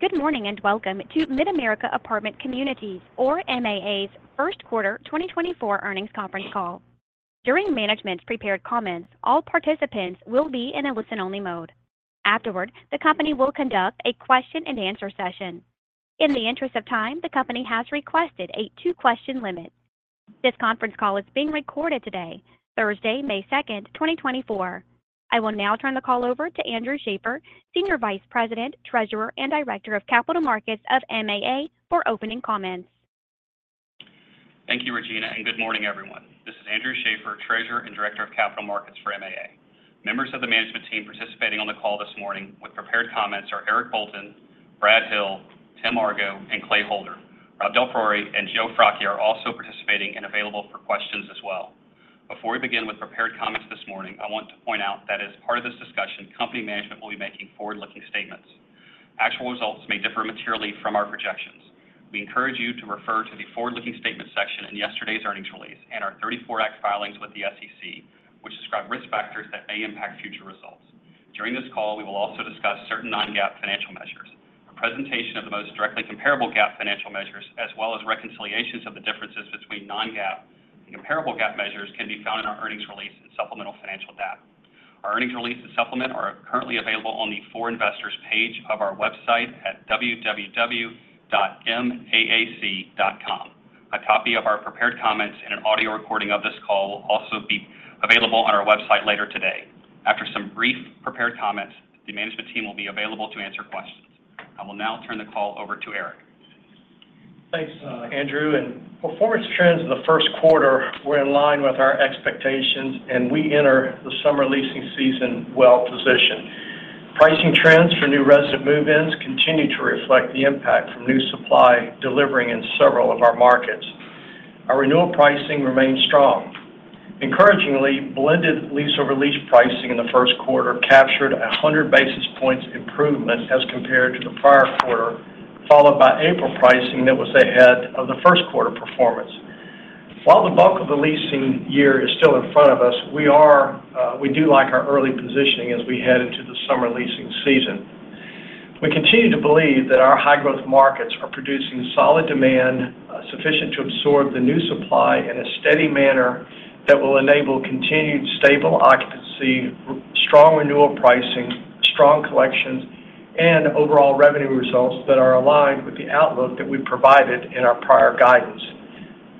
Good morning and welcome to Mid-America Apartment Communities, or MAA's, first quarter 2024 earnings conference call. During management's prepared comments, all participants will be in a listen-only mode. Afterward, the company will conduct a question-and-answer session. In the interest of time, the company has requested a two-question limit. This conference call is being recorded today, Thursday, May 2, 2024. I will now turn the call over to Andrew Schaeffer, Senior Vice President, Treasurer, and Director of Capital Markets of MAA, for opening comments. Thank you, Regina, and good morning, everyone. This is Andrew Schaeffer, Treasurer and Director of Capital Markets for MAA. Members of the management team participating on the call this morning with prepared comments are Eric Bolton, Brad Hill, Tim Argo, and Clay Holder. Rob DelPriore and Joe Fracchia are also participating and available for questions as well. Before we begin with prepared comments this morning, I want to point out that as part of this discussion, company management will be making forward-looking statements. Actual results may differ materially from our projections. We encourage you to refer to the forward-looking statements section in yesterday's earnings release and our 34-Act filings with the SEC, which describe risk factors that may impact future results. During this call, we will also discuss certain non-GAAP financial measures. A presentation of the most directly comparable GAAP financial measures, as well as reconciliations of the differences between non-GAAP and comparable GAAP measures, can be found in our earnings release and supplemental financial data. Our earnings release and supplement are currently available on the For Investors page of our website at www.maac.com. A copy of our prepared comments and an audio recording of this call will also be available on our website later today. After some brief prepared comments, the management team will be available to answer questions. I will now turn the call over to Eric. Thanks, Andrew. Performance trends in the first quarter were in line with our expectations, and we enter the summer leasing season well-positioned. Pricing trends for new resident move-ins continue to reflect the impact from new supply delivering in several of our markets. Our renewal pricing remains strong. Encouragingly, blended lease-over-lease pricing in the first quarter captured 100 basis points improvement as compared to the prior quarter, followed by April pricing that was ahead of the first quarter performance. While the bulk of the leasing year is still in front of us, we do like our early positioning as we head into the summer leasing season. We continue to believe that our high-growth markets are producing solid demand sufficient to absorb the new supply in a steady manner that will enable continued stable occupancy, strong renewal pricing, strong collections, and overall revenue results that are aligned with the outlook that we provided in our prior guidance.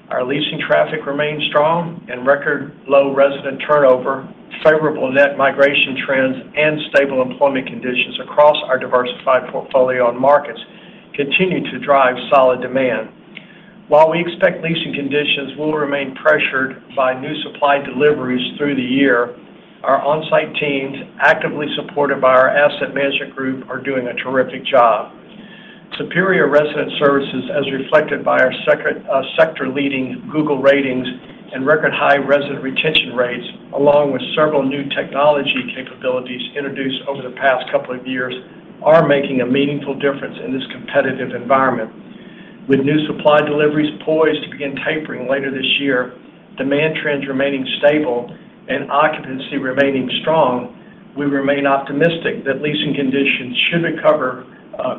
Our leasing traffic remains strong, and record-low resident turnover, favorable net migration trends, and stable employment conditions across our diversified portfolio of markets continue to drive solid demand. While we expect leasing conditions will remain pressured by new supply deliveries through the year, our on-site teams, actively supported by our asset management group, are doing a terrific job. Superior resident services, as reflected by our sector-leading Google ratings and record-high resident retention rates, along with several new technology capabilities introduced over the past couple of years, are making a meaningful difference in this competitive environment. With new supply deliveries poised to begin tapering later this year, demand trends remaining stable, and occupancy remaining strong, we remain optimistic that leasing conditions should recover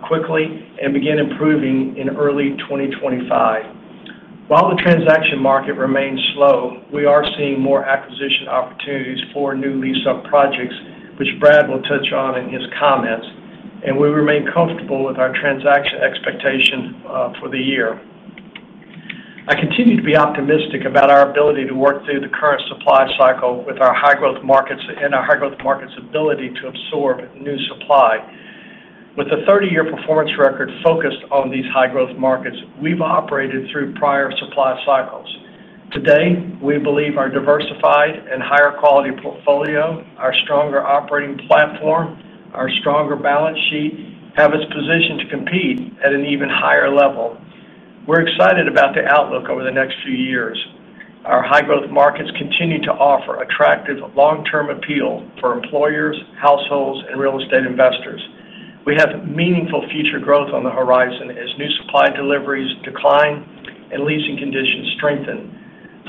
quickly and begin improving in early 2025. While the transaction market remains slow, we are seeing more acquisition opportunities for new lease-up projects, which Brad will touch on in his comments, and we remain comfortable with our transaction expectation for the year. I continue to be optimistic about our ability to work through the current supply cycle with our high-growth markets and our high-growth markets' ability to absorb new supply. With a 30-year performance record focused on these high-growth markets, we've operated through prior supply cycles. Today, we believe our diversified and higher-quality portfolio, our stronger operating platform, our stronger balance sheet have us positioned to compete at an even higher level. We're excited about the outlook over the next few years. Our high-growth markets continue to offer attractive long-term appeal for employers, households, and real estate investors. We have meaningful future growth on the horizon as new supply deliveries decline and leasing conditions strengthen.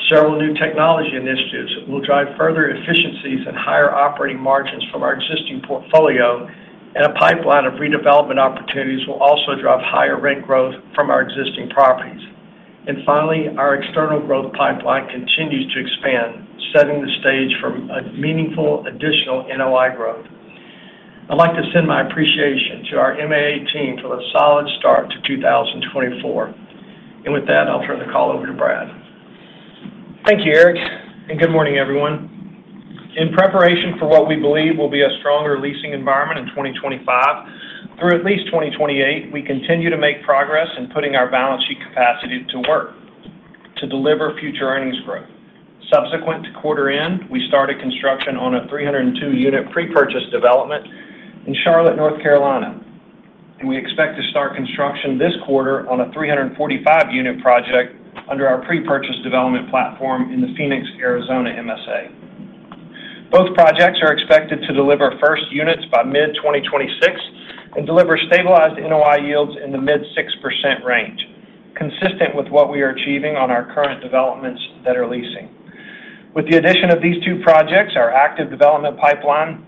Several new technology initiatives will drive further efficiencies and higher operating margins from our existing portfolio, and a pipeline of redevelopment opportunities will also drive higher rent growth from our existing properties. And finally, our external growth pipeline continues to expand, setting the stage for meaningful additional NOI growth. I'd like to send my appreciation to our MAA team for the solid start to 2024. And with that, I'll turn the call over to Brad. Thank you, Eric, and good morning, everyone. In preparation for what we believe will be a stronger leasing environment in 2025, through at least 2028, we continue to make progress in putting our balance sheet capacity to work to deliver future earnings growth. Subsequent to quarter end, we started construction on a 302-unit pre-purchase development in Charlotte, North Carolina. We expect to start construction this quarter on a 345-unit project under our pre-purchase development platform in the Phoenix, Arizona, MSA. Both projects are expected to deliver first units by mid-2026 and deliver stabilized NOI yields in the mid-6% range, consistent with what we are achieving on our current developments that are leasing. With the addition of these two projects, our active development pipeline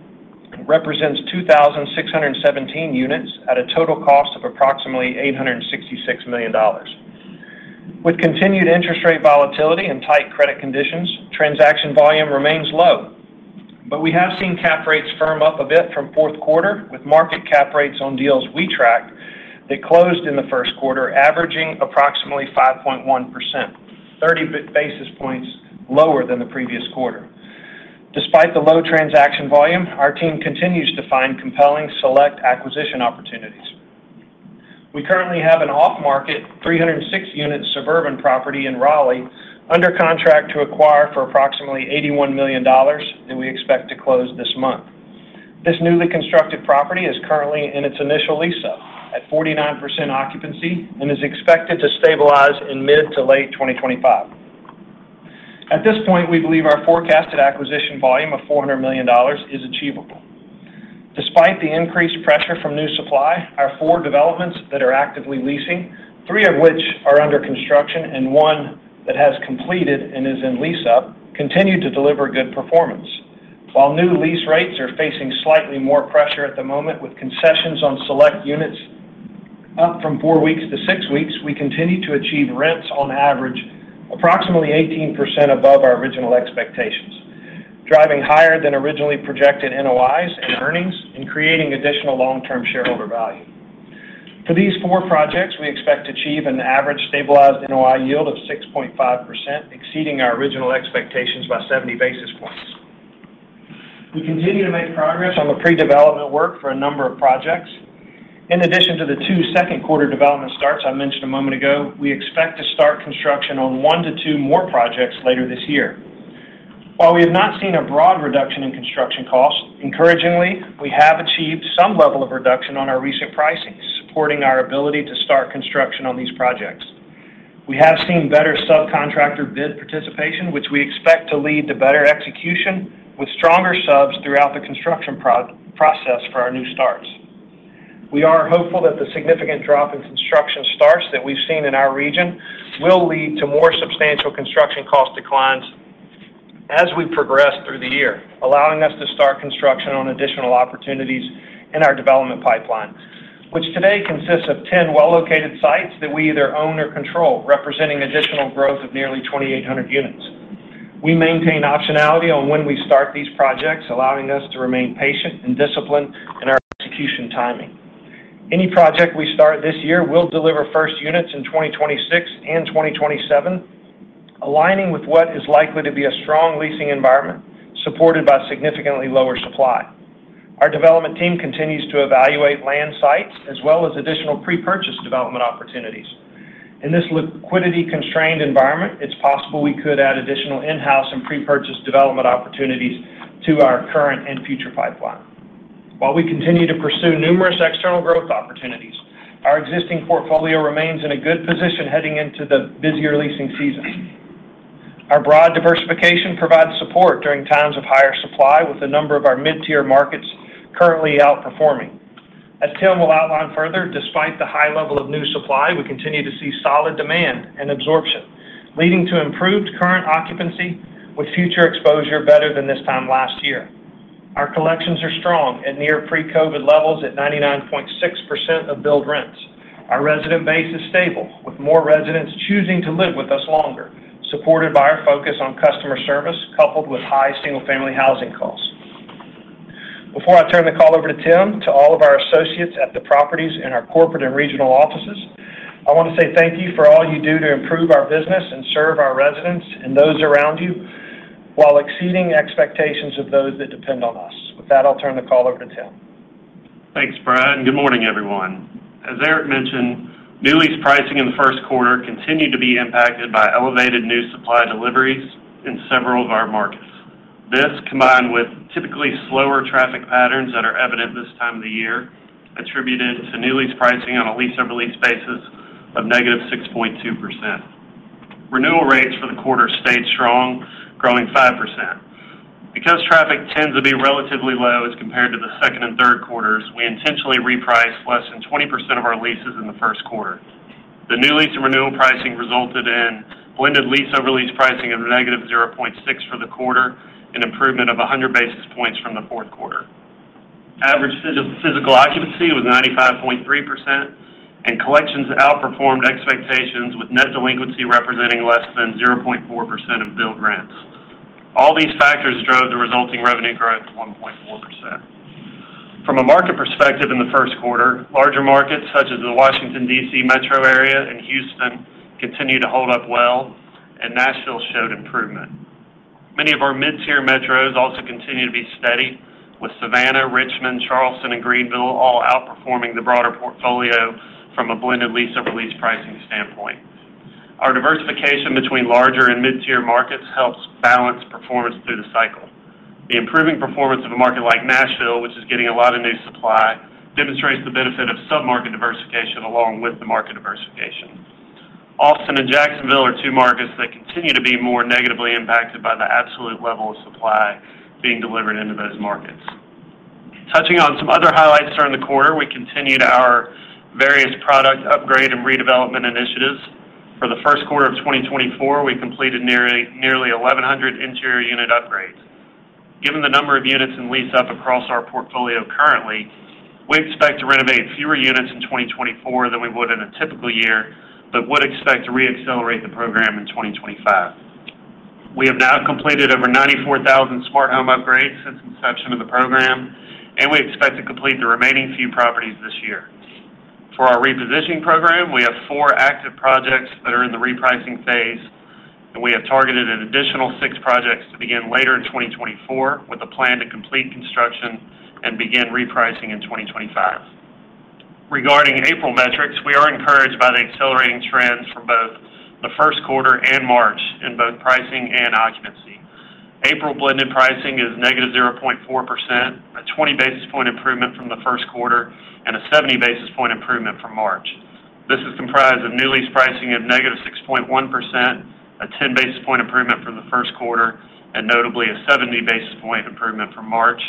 represents 2,617 units at a total cost of approximately $866 million. With continued interest rate volatility and tight credit conditions, transaction volume remains low. But we have seen cap rates firm up a bit from fourth quarter, with market cap rates on deals we tracked that closed in the first quarter averaging approximately 5.1%, 30 basis points lower than the previous quarter. Despite the low transaction volume, our team continues to find compelling select acquisition opportunities. We currently have an off-market 306-unit suburban property in Raleigh under contract to acquire for approximately $81 million that we expect to close this month. This newly constructed property is currently in its initial lease-up at 49% occupancy and is expected to stabilize in mid to late 2025. At this point, we believe our forecasted acquisition volume of $400 million is achievable. Despite the increased pressure from new supply, our four developments that are actively leasing, three of which are under construction and one that has completed and is in lease-up, continue to deliver good performance. While new lease rates are facing slightly more pressure at the moment, with concessions on select units up from 4 weeks to 6 weeks, we continue to achieve rents on average approximately 18% above our original expectations, driving higher than originally projected NOIs and earnings and creating additional long-term shareholder value. For these 4 projects, we expect to achieve an average stabilized NOI yield of 6.5%, exceeding our original expectations by 70 basis points. We continue to make progress on the pre-development work for a number of projects. In addition to the 2 second-quarter development starts I mentioned a moment ago, we expect to start construction on 1-2 more projects later this year. While we have not seen a broad reduction in construction costs, encouragingly, we have achieved some level of reduction on our recent pricings, supporting our ability to start construction on these projects. We have seen better subcontractor bid participation, which we expect to lead to better execution with stronger subs throughout the construction process for our new starts. We are hopeful that the significant drop in construction starts that we've seen in our region will lead to more substantial construction cost declines as we progress through the year, allowing us to start construction on additional opportunities in our development pipeline, which today consists of 10 well-located sites that we either own or control, representing additional growth of nearly 2,800 units. We maintain optionality on when we start these projects, allowing us to remain patient and disciplined in our execution timing. Any project we start this year will deliver first units in 2026 and 2027, aligning with what is likely to be a strong leasing environment supported by significantly lower supply. Our development team continues to evaluate land sites as well as additional pre-purchase development opportunities. In this liquidity-constrained environment, it's possible we could add additional in-house and pre-purchase development opportunities to our current and future pipeline. While we continue to pursue numerous external growth opportunities, our existing portfolio remains in a good position heading into the busier leasing season. Our broad diversification provides support during times of higher supply, with a number of our mid-tier markets currently outperforming. As Tim will outline further, despite the high level of new supply, we continue to see solid demand and absorption, leading to improved current occupancy with future exposure better than this time last year. Our collections are strong at near pre-COVID levels at 99.6% of build rents. Our resident base is stable, with more residents choosing to live with us longer, supported by our focus on customer service coupled with high single-family housing costs. Before I turn the call over to Tim, to all of our associates at the properties in our corporate and regional offices, I want to say thank you for all you do to improve our business and serve our residents and those around you while exceeding expectations of those that depend on us. With that, I'll turn the call over to Tim. Thanks, Brad, and good morning, everyone. As Eric mentioned, new lease pricing in the first quarter continued to be impacted by elevated new supply deliveries in several of our markets. This, combined with typically slower traffic patterns that are evident this time of the year, attributed to new lease pricing on a lease-over-lease basis of negative 6.2%. Renewal rates for the quarter stayed strong, growing 5%. Because traffic tends to be relatively low as compared to the second and third quarters, we intentionally repriced less than 20% of our leases in the first quarter. The new lease and renewal pricing resulted in blended lease-over-lease pricing of negative 0.6 for the quarter and improvement of 100 basis points from the fourth quarter. Average physical occupancy was 95.3%, and collections outperformed expectations, with net delinquency representing less than 0.4% of billed rents. All these factors drove the resulting revenue growth of 1.4%. From a market perspective in the first quarter, larger markets such as the Washington, D.C., metro area, and Houston continued to hold up well, and Nashville showed improvement. Many of our mid-tier metros also continue to be steady, with Savannah, Richmond, Charleston, and Greenville all outperforming the broader portfolio from a blended lease-over-lease pricing standpoint. Our diversification between larger and mid-tier markets helps balance performance through the cycle. The improving performance of a market like Nashville, which is getting a lot of new supply, demonstrates the benefit of submarket diversification along with the market diversification. Austin and Jacksonville are two markets that continue to be more negatively impacted by the absolute level of supply being delivered into those markets. Touching on some other highlights during the quarter, we continue to our various product upgrade and redevelopment initiatives. For the first quarter of 2024, we completed nearly 1,100 interior unit upgrades. Given the number of units in lease-up across our portfolio currently, we expect to renovate fewer units in 2024 than we would in a typical year but would expect to reaccelerate the program in 2025. We have now completed over 94,000 smart home upgrades since inception of the program, and we expect to complete the remaining few properties this year. For our repositioning program, we have 4 active projects that are in the repricing phase, and we have targeted an additional 6 projects to begin later in 2024 with a plan to complete construction and begin repricing in 2025. Regarding April metrics, we are encouraged by the accelerating trends from both the first quarter and March in both pricing and occupancy. April blended pricing is negative 0.4%, a 20 basis point improvement from the first quarter, and a 70 basis point improvement from March. This is comprised of new lease pricing of -6.1%, a 10 basis point improvement from the first quarter, and notably a 70 basis point improvement from March,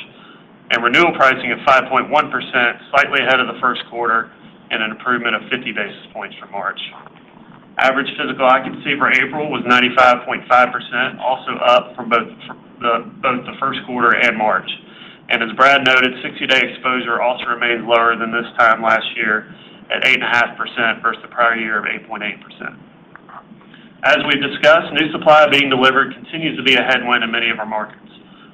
and renewal pricing of 5.1%, slightly ahead of the first quarter, and an improvement of 50 basis points from March. Average physical occupancy for April was 95.5%, also up from both the first quarter and March. And as Brad noted, 60-day exposure also remains lower than this time last year at 8.5% versus the prior year of 8.8%. As we've discussed, new supply being delivered continues to be a headwind in many of our markets,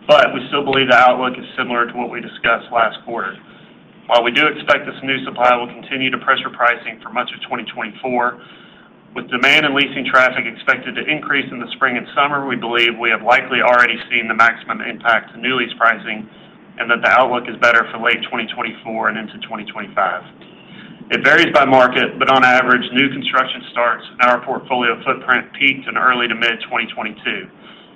but we still believe the outlook is similar to what we discussed last quarter. While we do expect this new supply will continue to pressure pricing for much of 2024, with demand and leasing traffic expected to increase in the spring and summer, we believe we have likely already seen the maximum impact to new lease pricing and that the outlook is better for late 2024 and into 2025. It varies by market, but on average, new construction starts in our portfolio footprint peaked in early to mid-2022,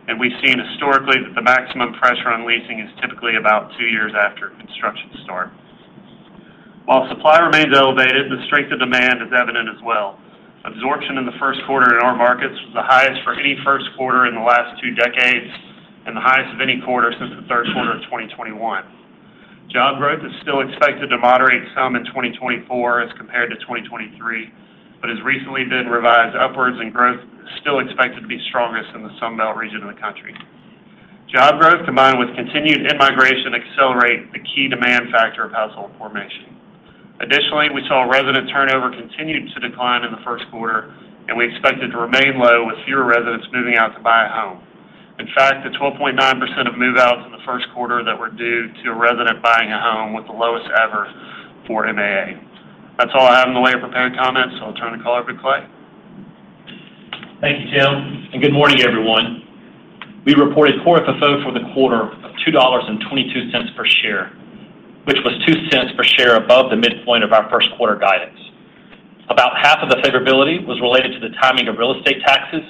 and we've seen historically that the maximum pressure on leasing is typically about two years after construction start. While supply remains elevated, the strength of demand is evident as well. Absorption in the first quarter in our markets was the highest for any first quarter in the last two decades and the highest of any quarter since the third quarter of 2021. Job growth is still expected to moderate some in 2024 as compared to 2023 but has recently been revised upwards, and growth is still expected to be strongest in the Sunbelt region of the country. Job growth, combined with continued immigration, accelerate the key demand factor of household formation. Additionally, we saw resident turnover continue to decline in the first quarter, and we expected to remain low with fewer residents moving out to buy a home. In fact, the 12.9% of move-outs in the first quarter that were due to a resident buying a home were the lowest ever for MAA. That's all I have in the way of prepared comments, so I'll turn the call over to Clay. Thank you, Tim, and good morning, everyone. We reported Core FFO for the quarter of $2.22 per share, which was $0.02 per share above the midpoint of our first quarter guidance. About half of the favorability was related to the timing of real estate taxes,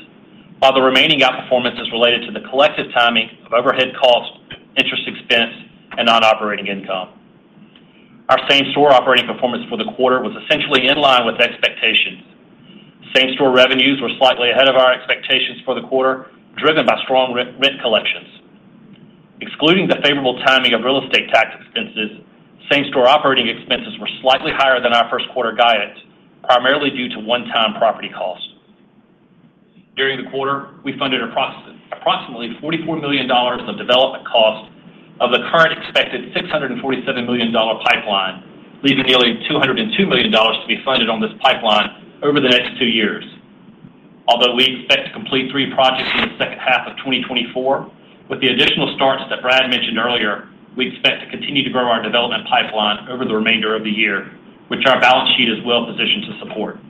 while the remaining outperformance is related to the collective timing of overhead costs, interest expense, and non-operating income. Our same-store operating performance for the quarter was essentially in line with expectations. Same-store revenues were slightly ahead of our expectations for the quarter, driven by strong rent collections. Excluding the favorable timing of real estate tax expenses, same-store operating expenses were slightly higher than our first quarter guidance, primarily due to one-time property cost. During the quarter, we funded approximately $44 million of development costs of the current expected $647 million pipeline, leaving nearly $202 million to be funded on this pipeline over the next two years. Although we expect to complete three projects in the second half of 2024, with the additional starts that Brad mentioned earlier, we expect to continue to grow our development pipeline over the remainder of the year, which our balance sheet is well positioned to support.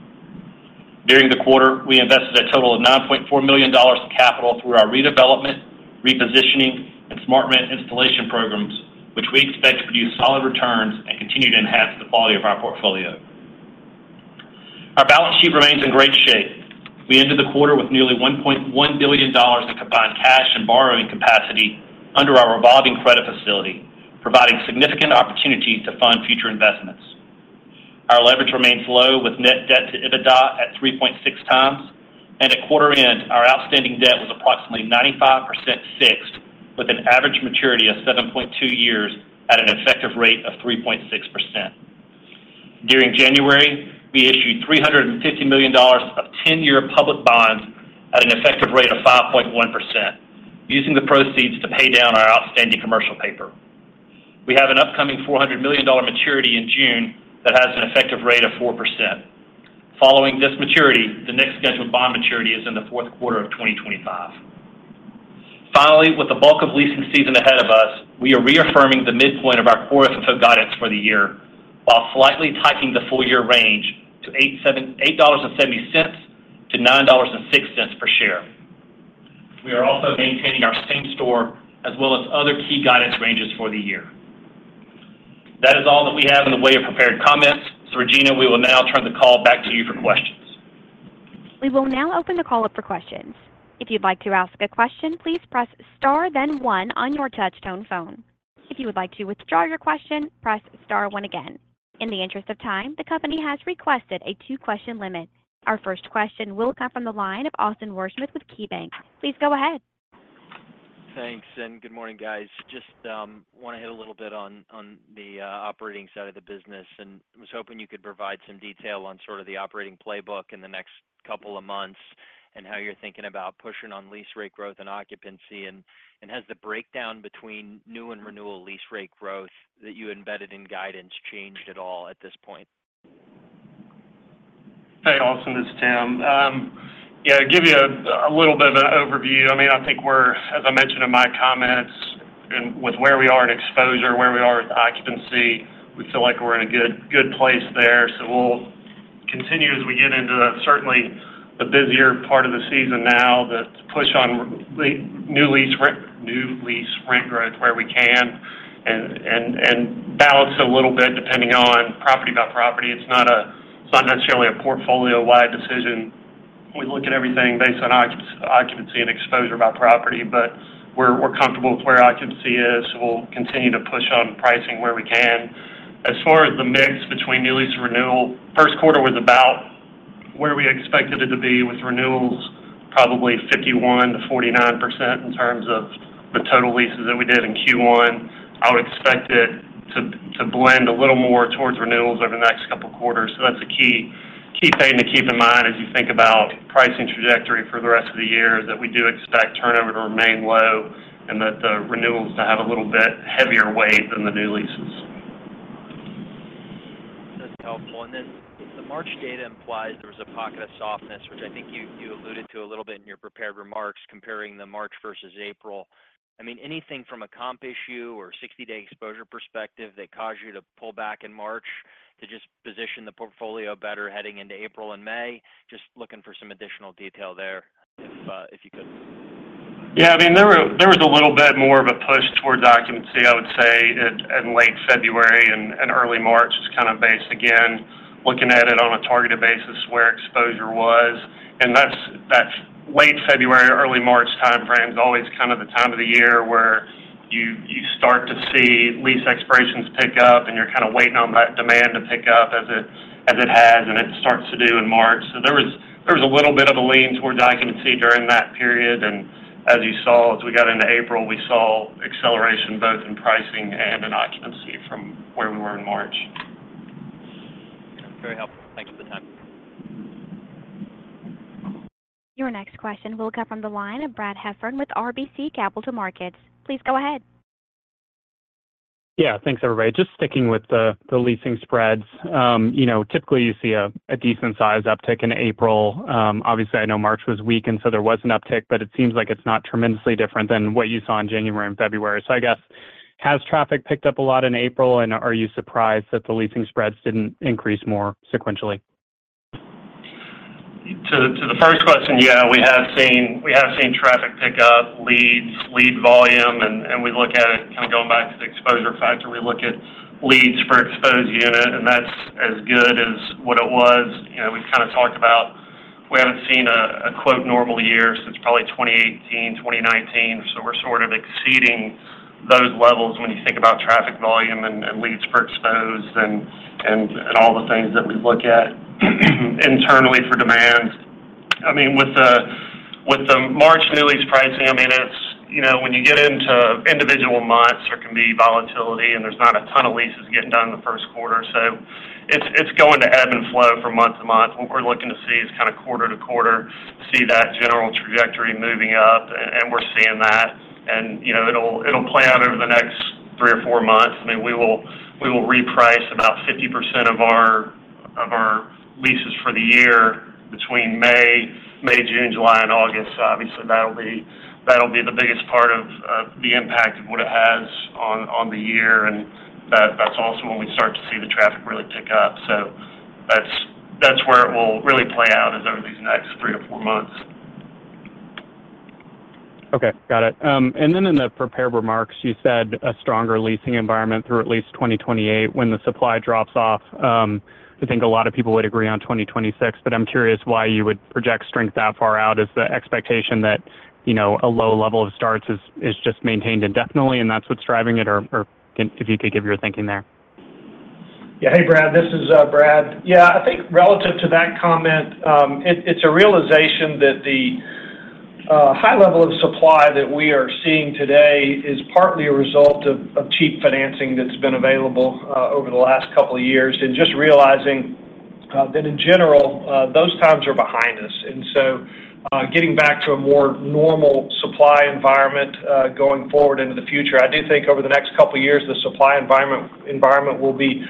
During the quarter, we invested a total of $9.4 million of capital through our redevelopment, repositioning, and smart home installation programs, which we expect to produce solid returns and continue to enhance the quality of our portfolio. Our balance sheet remains in great shape. We ended the quarter with nearly $1.1 billion in combined cash and borrowing capacity under our revolving credit facility, providing significant opportunities to fund future investments. Our leverage remains low, with net debt to EBITDA at 3.6x. At quarter end, our outstanding debt was approximately 95% fixed, with an average maturity of 7.2 years at an effective rate of 3.6%. During January, we issued $350 million of 10-year public bonds at an effective rate of 5.1%, using the proceeds to pay down our outstanding commercial paper. We have an upcoming $400 million maturity in June that has an effective rate of 4%. Following this maturity, the next scheduled bond maturity is in the fourth quarter of 2025. Finally, with the bulk of leasing season ahead of us, we are reaffirming the midpoint of our core FFO guidance for the year, while slightly tightening the full-year range to $8.70-$9.06 per share. We are also maintaining our same-store as well as other key guidance ranges for the year. That is all that we have in the way of prepared comments. So, Regina, we will now turn the call back to you for questions. We will now open the call up for questions. If you'd like to ask a question, please press star, then one on your touchtone phone. If you would like to withdraw your question, press star one again. In the interest of time, the company has requested a two-question limit. Our first question will come from the line of Austin Wurschmidt with KeyBanc Capital Markets. Please go ahead. Thanks, and good morning, guys. Just want to hit a little bit on the operating side of the business, and was hoping you could provide some detail on sort of the operating playbook in the next couple of months and how you're thinking about pushing on lease rate growth and occupancy. Has the breakdown between new and renewal lease rate growth that you embedded in guidance changed at all at this point? Hey, Austin. This is Tim. Yeah, give you a little bit of an overview. I mean, I think we're, as I mentioned in my comments, with where we are in exposure, where we are with occupancy, we feel like we're in a good place there. So we'll continue as we get into, certainly, the busier part of the season now to push on new lease rent growth where we can and balance a little bit depending on property by property. It's not necessarily a portfolio-wide decision. We look at everything based on occupancy and exposure by property, but we're comfortable with where occupancy is, so we'll continue to push on pricing where we can. As far as the mix between new lease and renewal, first quarter was about where we expected it to be with renewals, probably 51%-49% in terms of the total leases that we did in Q1. I would expect it to blend a little more towards renewals over the next couple of quarters. So that's a key thing to keep in mind as you think about pricing trajectory for the rest of the year, that we do expect turnover to remain low and that the renewals to have a little bit heavier weight than the new leases. That's helpful. And then the March data implies there was a pocket of softness, which I think you alluded to a little bit in your prepared remarks, comparing the March versus April. I mean, anything from a comp issue or 60-day exposure perspective that caused you to pull back in March to just position the portfolio better heading into April and May? Just looking for some additional detail there if you could. Yeah, I mean, there was a little bit more of a push toward occupancy, I would say, in late February and early March, just kind of based, again, looking at it on a targeted basis where exposure was. And late February, early March timeframe is always kind of the time of the year where you start to see lease expirations pick up, and you're kind of waiting on that demand to pick up as it has, and it starts to do in March. So there was a little bit of a lean towards occupancy during that period. And as you saw, as we got into April, we saw acceleration both in pricing and in occupancy from where we were in March. Very helpful. Thanks for the time. Your next question will come from the line of Brad Heffern with RBC Capital Markets. Please go ahead. Yeah, thanks, everybody. Just sticking with the leasing spreads. Typically, you see a decent-sized uptick in April. Obviously, I know March was weak, and so there was an uptick, but it seems like it's not tremendously different than what you saw in January and February. So I guess, has traffic picked up a lot in April, and are you surprised that the leasing spreads didn't increase more sequentially? To the first question, yeah, we have seen traffic pick up, leads, lead volume. And we look at it kind of going back to the exposure factor. We look at leads per exposed unit, and that's as good as what it was. We've kind of talked about we haven't seen a quote normal year since probably 2018, 2019. So we're sort of exceeding those levels when you think about traffic volume and leads per exposed and all the things that we look at internally for demand. I mean, with the March new lease pricing, I mean, when you get into individual months, there can be volatility, and there's not a ton of leases getting done in the first quarter. So it's going to ebb and flow from month to month. What we're looking to see is kind of quarter to quarter, see that general trajectory moving up, and we're seeing that. It'll play out over the next three or four months. I mean, we will reprice about 50% of our leases for the year between May, June, July, and August. So obviously, that'll be the biggest part of the impact of what it has on the year. That's also when we start to see the traffic really pick up. That's where it will really play out is over these next three to four months. Okay, got it. And then in the prepared remarks, you said a stronger leasing environment through at least 2028 when the supply drops off. I think a lot of people would agree on 2026, but I'm curious why you would project strength that far out. Is the expectation that a low level of starts is just maintained indefinitely, and that's what's driving it, or if you could give your thinking there? Yeah, hey, Brad. This is Brad. Yeah, I think relative to that comment, it's a realization that the high level of supply that we are seeing today is partly a result of cheap financing that's been available over the last couple of years and just realizing that, in general, those times are behind us. And so getting back to a more normal supply environment going forward into the future, I do think over the next couple of years, the supply environment will be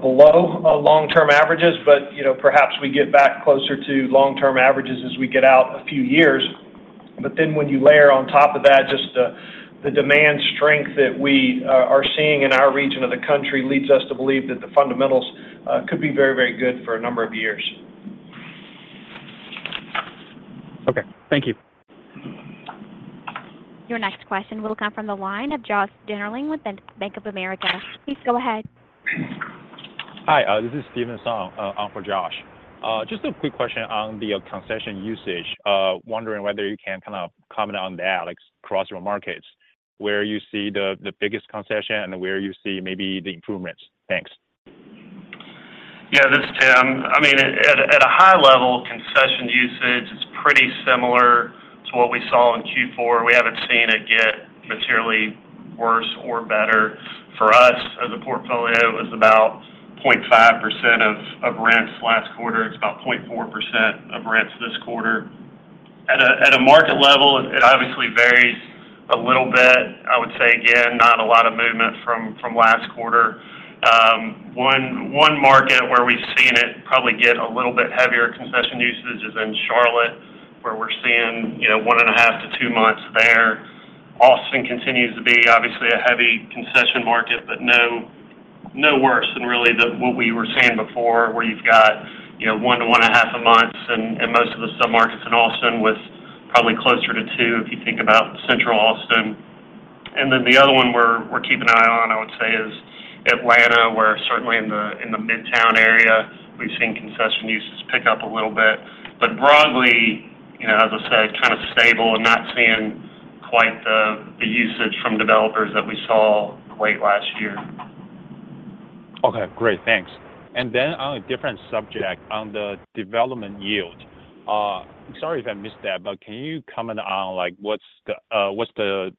below long-term averages. But perhaps we get back closer to long-term averages as we get out a few years. But then when you layer on top of that, just the demand strength that we are seeing in our region of the country leads us to believe that the fundamentals could be very, very good for a number of years. Okay, thank you. Your next question will come from the line of Josh Dennerlein with Bank of America. Please go ahead. Hi, this is Steven Song for Josh. Just a quick question on the concession usage. Wondering whether you can kind of comment on that across your markets, where you see the biggest concession and where you see maybe the improvements. Thanks. Yeah, this is Tim. I mean, at a high level, concession usage is pretty similar to what we saw in Q4. We haven't seen it get materially worse or better. For us, as a portfolio, it was about 0.5% of rents last quarter. It's about 0.4% of rents this quarter. At a market level, it obviously varies a little bit. I would say, again, not a lot of movement from last quarter. One market where we've seen it probably get a little bit heavier concession usage is in Charlotte, where we're seeing 1.5-2 months there. Austin continues to be, obviously, a heavy concession market, but no worse than really what we were seeing before, where you've got 1-1.5 months in most of the submarkets in Austin with probably closer to 2 if you think about central Austin. And then the other one we're keeping an eye on, I would say, is Atlanta, where certainly in the midtown area, we've seen concession usage pick up a little bit. But broadly, as I said, kind of stable and not seeing quite the usage from developers that we saw late last year. Okay, great. Thanks. And then on a different subject on the development yield, sorry if I missed that, but can you comment on what's the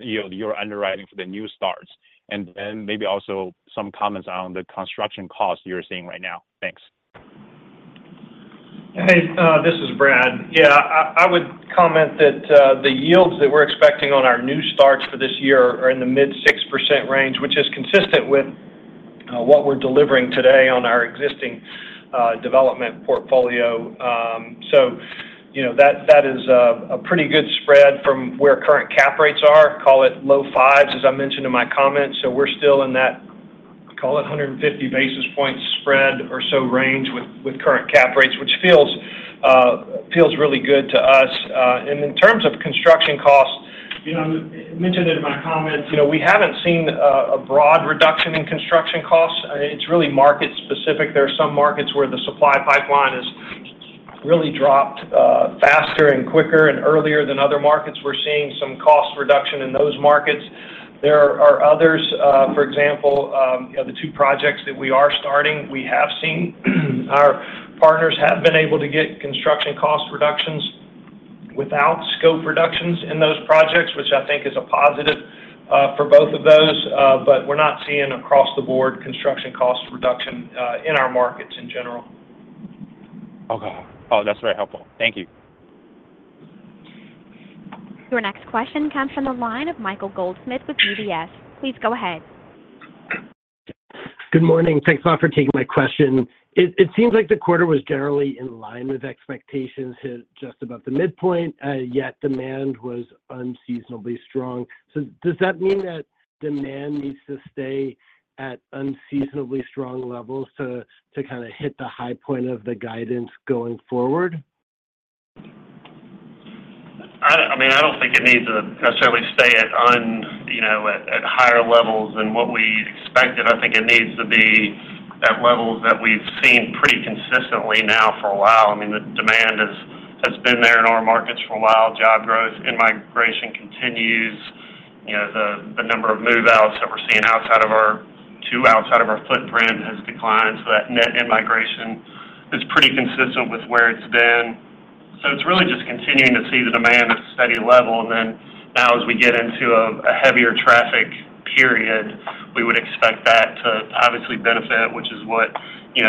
yield you're underwriting for the new starts? And then maybe also some comments on the construction costs you're seeing right now. Thanks. Hey, this is Brad. Yeah, I would comment that the yields that we're expecting on our new starts for this year are in the mid-6% range, which is consistent with what we're delivering today on our existing development portfolio. So that is a pretty good spread from where current cap rates are. Call it low 5s, as I mentioned in my comments. So we're still in that, call it, 150 basis points spread or so range with current cap rates, which feels really good to us. And in terms of construction costs, I mentioned it in my comments. We haven't seen a broad reduction in construction costs. It's really market-specific. There are some markets where the supply pipeline has really dropped faster and quicker and earlier than other markets. We're seeing some cost reduction in those markets. There are others. For example, the 2 projects that we are starting, we have seen our partners have been able to get construction cost reductions without scope reductions in those projects, which I think is a positive for both of those. But we're not seeing across the board construction cost reduction in our markets in general. Okay. Oh, that's very helpful. Thank you. Your next question comes from the line of Michael Goldsmith with UBS. Please go ahead. Good morning. Thanks a lot for taking my question. It seems like the quarter was generally in line with expectations hit just about the midpoint, yet demand was unseasonably strong. So does that mean that demand needs to stay at unseasonably strong levels to kind of hit the high point of the guidance going forward? I mean, I don't think it needs to necessarily stay at higher levels than what we expected. I think it needs to be at levels that we've seen pretty consistently now for a while. I mean, the demand has been there in our markets for a while. Job growth and migration continues. The number of move-outs that we're seeing outside of our footprint has declined. So that net immigration is pretty consistent with where it's been. So it's really just continuing to see the demand at a steady level. And then now, as we get into a heavier traffic period, we would expect that to obviously benefit, which is what you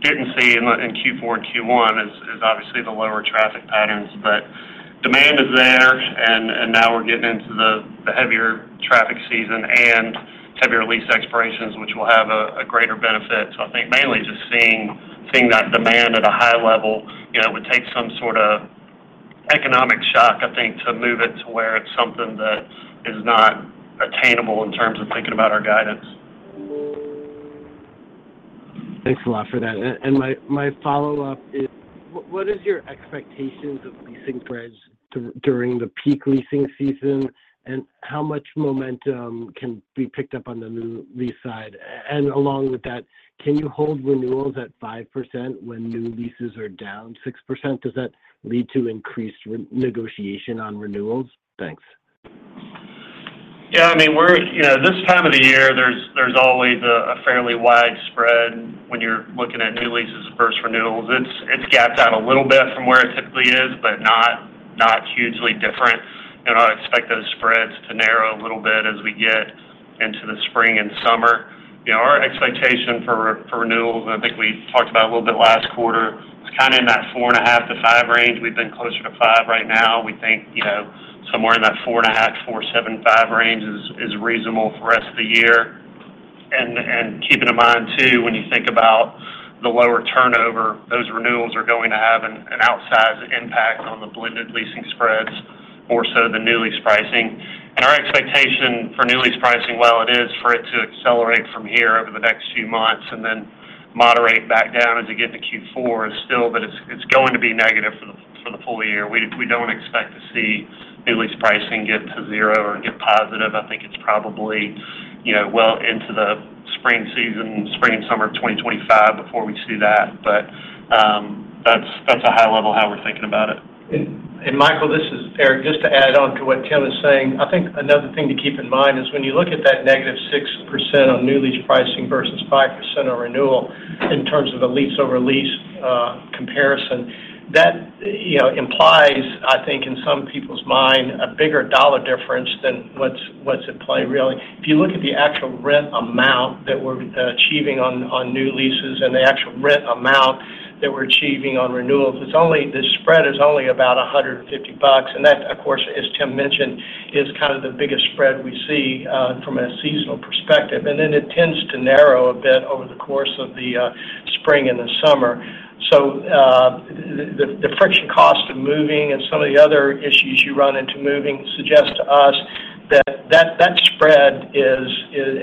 didn't see in Q4 and Q1, is obviously the lower traffic patterns. But demand is there, and now we're getting into the heavier traffic season and heavier lease expirations, which will have a greater benefit. So I think mainly just seeing that demand at a high level, it would take some sort of economic shock, I think, to move it to where it's something that is not attainable in terms of thinking about our guidance. Thanks a lot for that. My follow-up is, what are your expectations of leasing spreads during the peak leasing season, and how much momentum can be picked up on the new lease side? Along with that, can you hold renewals at 5% when new leases are down 6%? Does that lead to increased negotiation on renewals? Thanks. Yeah, I mean, this time of the year, there's always a fairly wide spread when you're looking at new leases versus renewals. It's gapped out a little bit from where it typically is, but not hugely different. I expect those spreads to narrow a little bit as we get into the spring and summer. Our expectation for renewals, and I think we talked about a little bit last quarter, is kind of in that 4.5-5 range. We've been closer to 5 right now. We think somewhere in that 4.5-4.75 range is reasonable for the rest of the year. And keeping in mind, too, when you think about the lower turnover, those renewals are going to have an outsized impact on the blended leasing spreads, more so the new lease pricing. Our expectation for new lease pricing, well, it is for it to accelerate from here over the next few months and then moderate back down as you get into Q4, is still that it's going to be negative for the full year. We don't expect to see new lease pricing get to zero or get positive. I think it's probably well into the spring season, spring and summer of 2025 before we see that. But that's a high level how we're thinking about it. Michael, this is Eric, just to add on to what Tim is saying. I think another thing to keep in mind is when you look at that -6% on new lease pricing versus 5% on renewal in terms of a lease over lease comparison, that implies, I think, in some people's mind, a bigger dollar difference than what's at play, really. If you look at the actual rent amount that we're achieving on new leases and the actual rent amount that we're achieving on renewals, this spread is only about $150. And that, of course, as Tim mentioned, is kind of the biggest spread we see from a seasonal perspective. And then it tends to narrow a bit over the course of the spring and the summer. So the friction cost of moving and some of the other issues you run into moving suggest to us that that spread is,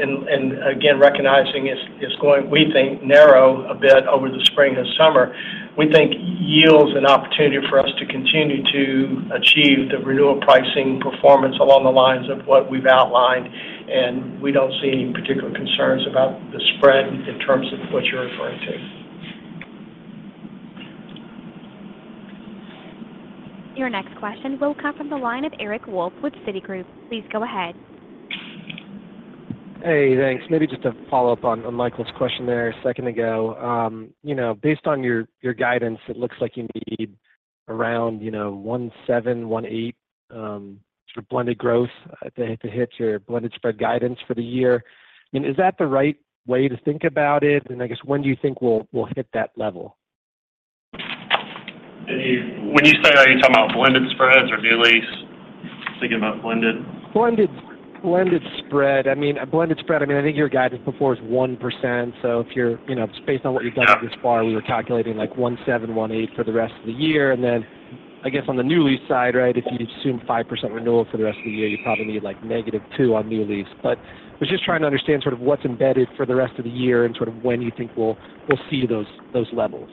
and again, recognizing it's going, we think, narrow a bit over the spring and summer, we think yields an opportunity for us to continue to achieve the renewal pricing performance along the lines of what we've outlined. And we don't see any particular concerns about the spread in terms of what you're referring to. Your next question will come from the line of Eric Wolf with Citigroup. Please go ahead. Hey, thanks. Maybe just a follow-up on Michael's question there a second ago. Based on your guidance, it looks like you need around 17-18 sort of blended growth to hit your blended spread guidance for the year. Is that the right way to think about it? And I guess when do you think we'll hit that level? When you say that, are you talking about blended spreads or new lease? Thinking about blended. Blended spread. I mean, blended spread. I mean, I think your guidance before is 1%. So if you're just based on what you've done this far, we were calculating 17%-18% for the rest of the year. And then I guess on the new lease side, right, if you assume 5% renewal for the rest of the year, you probably need -2% on new lease. But I was just trying to understand sort of what's embedded for the rest of the year and sort of when you think we'll see those levels.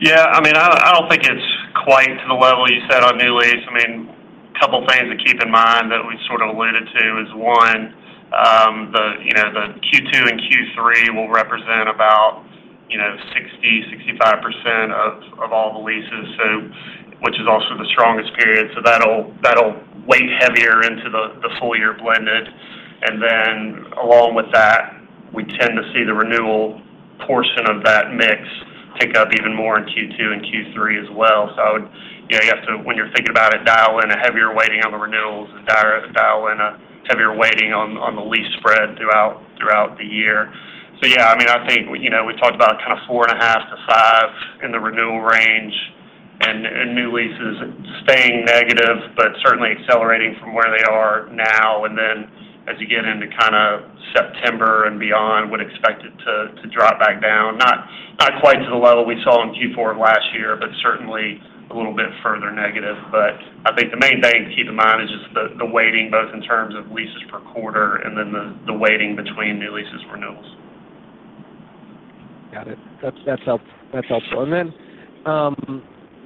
Yeah, I mean, I don't think it's quite to the level you said on new lease. I mean, a couple of things to keep in mind that we sort of alluded to is, one, the Q2 and Q3 will represent about 60%-65% of all the leases, which is also the strongest period. So that'll weight heavier into the full-year blended. And then along with that, we tend to see the renewal portion of that mix pick up even more in Q2 and Q3 as well. So you have to, when you're thinking about it, dial in a heavier weighting on the renewals and dial in a heavier weighting on the lease spread throughout the year. So yeah, I mean, I think we talked about kind of 4.5-5 in the renewal range and new leases staying negative, but certainly accelerating from where they are now. And then as you get into kind of September and beyond, we'd expect it to drop back down, not quite to the level we saw in Q4 of last year, but certainly a little bit further negative. But I think the main thing to keep in mind is just the weighting, both in terms of leases per quarter and then the weighting between new leases renewals. Got it. That's helpful. And then there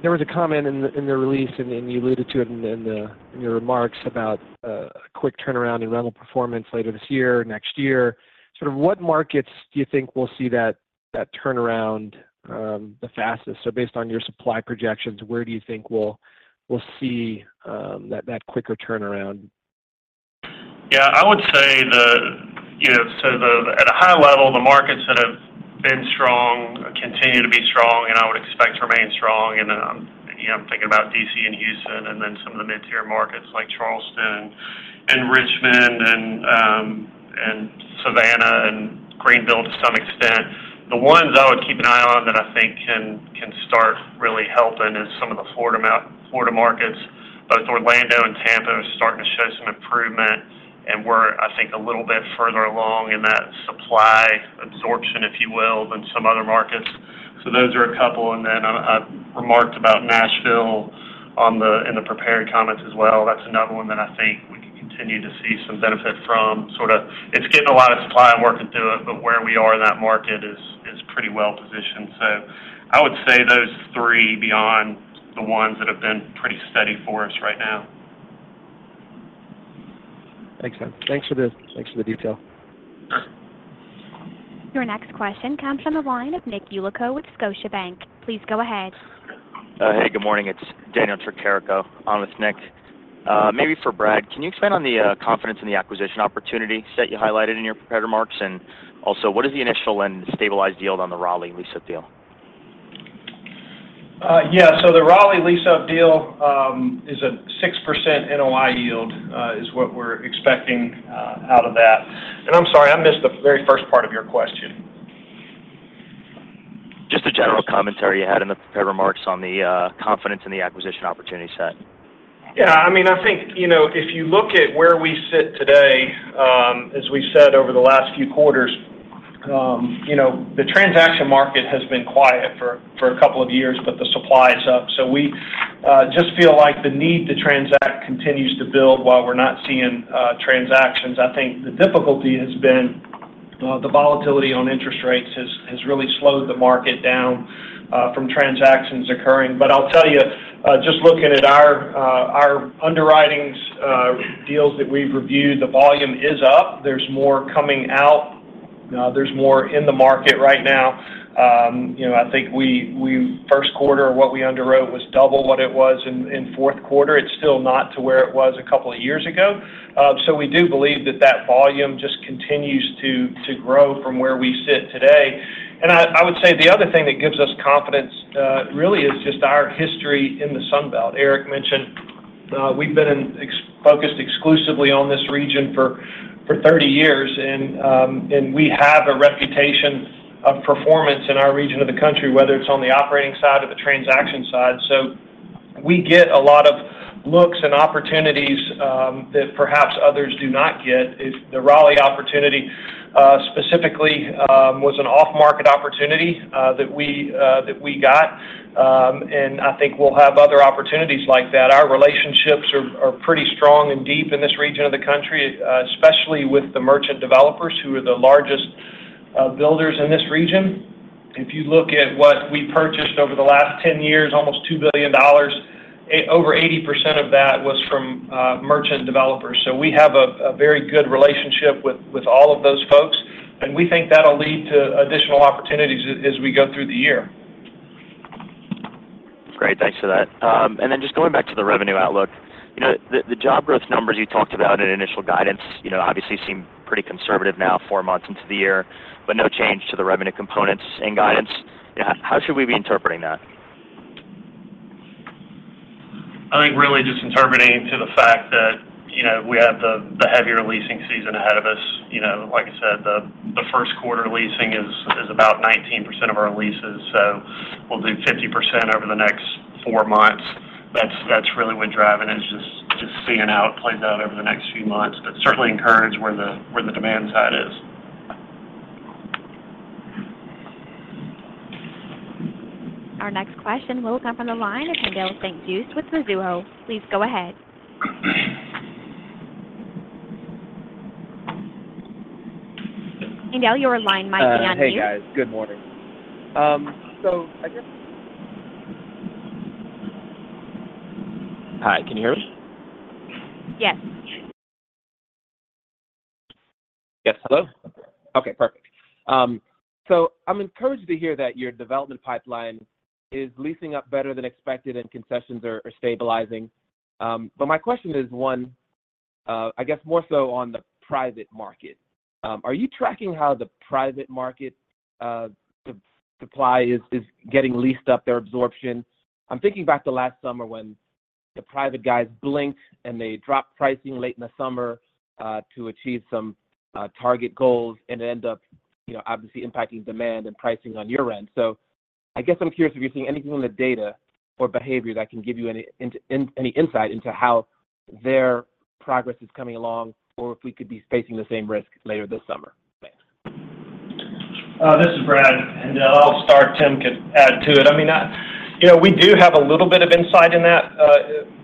was a comment in the release, and you alluded to it in your remarks about a quick turnaround in rental performance later this year, next year. Sort of what markets do you think will see that turnaround the fastest? So based on your supply projections, where do you think we'll see that quicker turnaround? Yeah, I would say that at a high level, the markets that have been strong continue to be strong, and I would expect to remain strong. And then I'm thinking about D.C. and Houston and then some of the mid-tier markets like Charleston and Richmond and Savannah and Greenville to some extent. The ones I would keep an eye on that I think can start really helping is some of the Florida markets. Both Orlando and Tampa are starting to show some improvement, and we're, I think, a little bit further along in that supply absorption, if you will, than some other markets. So those are a couple. And then I remarked about Nashville in the prepared comments as well. That's another one that I think we can continue to see some benefit from. Sort of it's getting a lot of supply and working through it, but where we are in that market is pretty well positioned. I would say those three beyond the ones that have been pretty steady for us right now. Excellent. Thanks for the detail. Your next question comes from the line of Nick Ulico with Scotiabank. Please go ahead. Hey, good morning. It's Daniel Tricarico on with Nick. Maybe for Brad, can you expand on the confidence in the acquisition opportunity set you highlighted in your prepared remarks? And also, what is the initial and stabilized yield on the Raleigh lease-up deal? Yeah, so the Raleigh lease-up deal is a 6% NOI yield is what we're expecting out of that. And I'm sorry, I missed the very first part of your question. Just a general commentary you had in the prepared remarks on the confidence in the acquisition opportunity set. Yeah, I mean, I think if you look at where we sit today, as we said over the last few quarters, the transaction market has been quiet for a couple of years, but the supply is up. So we just feel like the need to transact continues to build while we're not seeing transactions. I think the difficulty has been the volatility on interest rates has really slowed the market down from transactions occurring. But I'll tell you, just looking at our underwriting deals that we've reviewed, the volume is up. There's more coming out. There's more in the market right now. I think first quarter, what we underwrote was double what it was in fourth quarter. It's still not to where it was a couple of years ago. So we do believe that that volume just continues to grow from where we sit today. I would say the other thing that gives us confidence really is just our history in the Sunbelt. Eric mentioned we've been focused exclusively on this region for 30 years, and we have a reputation of performance in our region of the country, whether it's on the operating side or the transaction side. We get a lot of looks and opportunities that perhaps others do not get. The Raleigh opportunity specifically was an off-market opportunity that we got, and I think we'll have other opportunities like that. Our relationships are pretty strong and deep in this region of the country, especially with the merchant developers who are the largest builders in this region. If you look at what we purchased over the last 10 years, almost $2 billion, over 80% of that was from merchant developers. We have a very good relationship with all of those folks, and we think that'll lead to additional opportunities as we go through the year. Great. Thanks for that. And then just going back to the revenue outlook, the job growth numbers you talked about in initial guidance obviously seem pretty conservative now, four months into the year, but no change to the revenue components in guidance. How should we be interpreting that? I think really just interpreting to the fact that we have the heavier leasing season ahead of us. Like I said, the first quarter leasing is about 19% of our leases. So we'll do 50% over the next four months. That's really what's driving it, is just seeing how it plays out over the next few months, but certainly encourage where the demand side is. Our next question will come from the line of Haendel St. Juste with Mizuho. Please go ahead. Haendel, your line might be on mute. Hey, guys. Good morning. So I guess. Hi. Can you hear me? Yes. Yes. Hello? Okay. Perfect. So I'm encouraged to hear that your development pipeline is leasing up better than expected and concessions are stabilizing. But my question is, one, I guess more so on the private market. Are you tracking how the private market supply is getting leased up, their absorption? I'm thinking back to last summer when the private guys blinked and they dropped pricing late in the summer to achieve some target goals and end up obviously impacting demand and pricing on your end. So I guess I'm curious if you're seeing anything in the data or behavior that can give you any insight into how their progress is coming along or if we could be facing the same risk later this summer. Thanks. This is Brad. I'll start. Tim could add to it. I mean, we do have a little bit of insight in that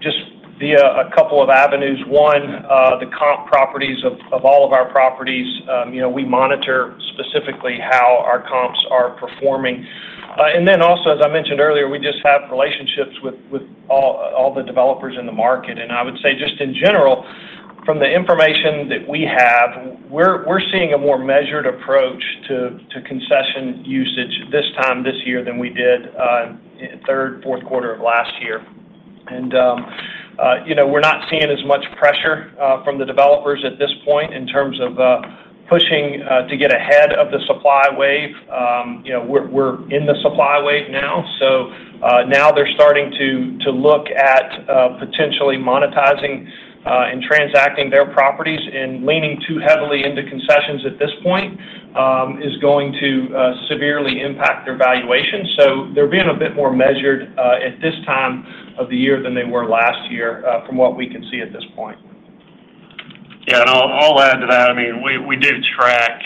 just via a couple of avenues. One, the comp properties of all of our properties, we monitor specifically how our comps are performing. Then also, as I mentioned earlier, we just have relationships with all the developers in the market. I would say just in general, from the information that we have, we're seeing a more measured approach to concession usage this time this year than we did in third, fourth quarter of last year. We're not seeing as much pressure from the developers at this point in terms of pushing to get ahead of the supply wave. We're in the supply wave now. So now they're starting to look at potentially monetizing and transacting their properties. Leaning too heavily into concessions at this point is going to severely impact their valuation. They're being a bit more measured at this time of the year than they were last year from what we can see at this point. Yeah. And I'll add to that. I mean, we do track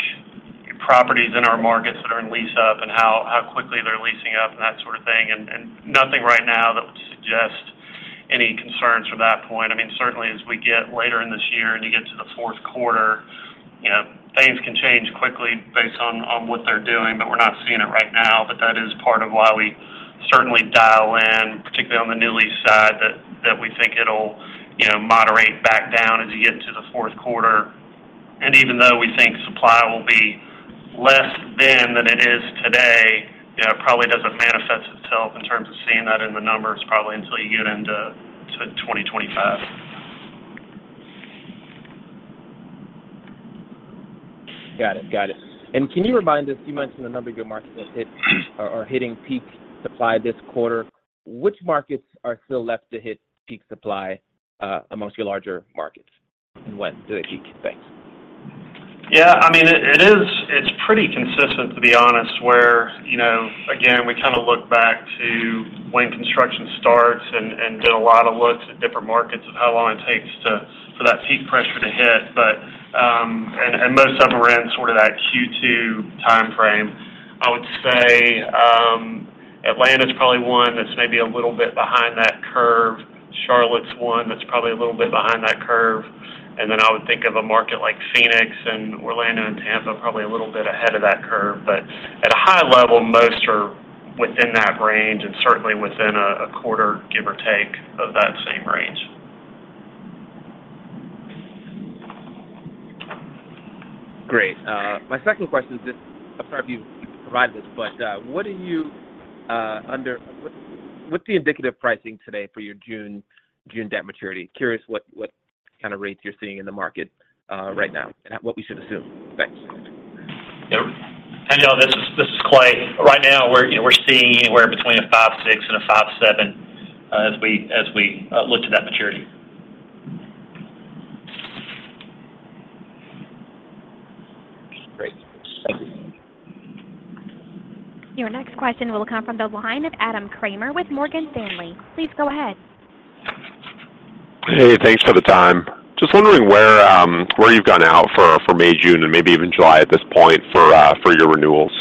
properties in our markets that are in lease up and how quickly they're leasing up and that sort of thing. And nothing right now that would suggest any concerns from that point. I mean, certainly, as we get later in this year and you get to the fourth quarter, things can change quickly based on what they're doing, but we're not seeing it right now. But that is part of why we certainly dial in, particularly on the new lease side, that we think it'll moderate back down as you get to the fourth quarter. And even though we think supply will be less then than it is today, it probably doesn't manifest itself in terms of seeing that in the numbers probably until you get into 2025. Got it. Got it. Can you remind us, you mentioned a number of good markets are hitting peak supply this quarter. Which markets are still left to hit peak supply amongst your larger markets? And when do they peak? Thanks. Yeah. I mean, it's pretty consistent, to be honest, where, again, we kind of look back to when construction starts and did a lot of looks at different markets of how long it takes for that peak pressure to hit. And most of them were in sort of that Q2 timeframe. I would say Atlanta is probably one that's maybe a little bit behind that curve. Charlotte's one that's probably a little bit behind that curve. And then I would think of a market like Phoenix and Orlando and Tampa probably a little bit ahead of that curve. But at a high level, most are within that range and certainly within a quarter, give or take, of that same range. Great. My second question is just, I'm sorry if you've provided this, but what's the indicative pricing today for your June debt maturity? Curious what kind of rates you're seeing in the market right now and what we should assume. Thanks. Yep. Daniel, this is Clay. Right now, we're seeing anywhere between 5.6 and 5.7 as we look to that maturity. Great. Thank you. Your next question will come from the line of Adam Kramer with Morgan Stanley. Please go ahead. Hey. Thanks for the time. Just wondering where you've gone out for May, June, and maybe even July at this point for your renewals?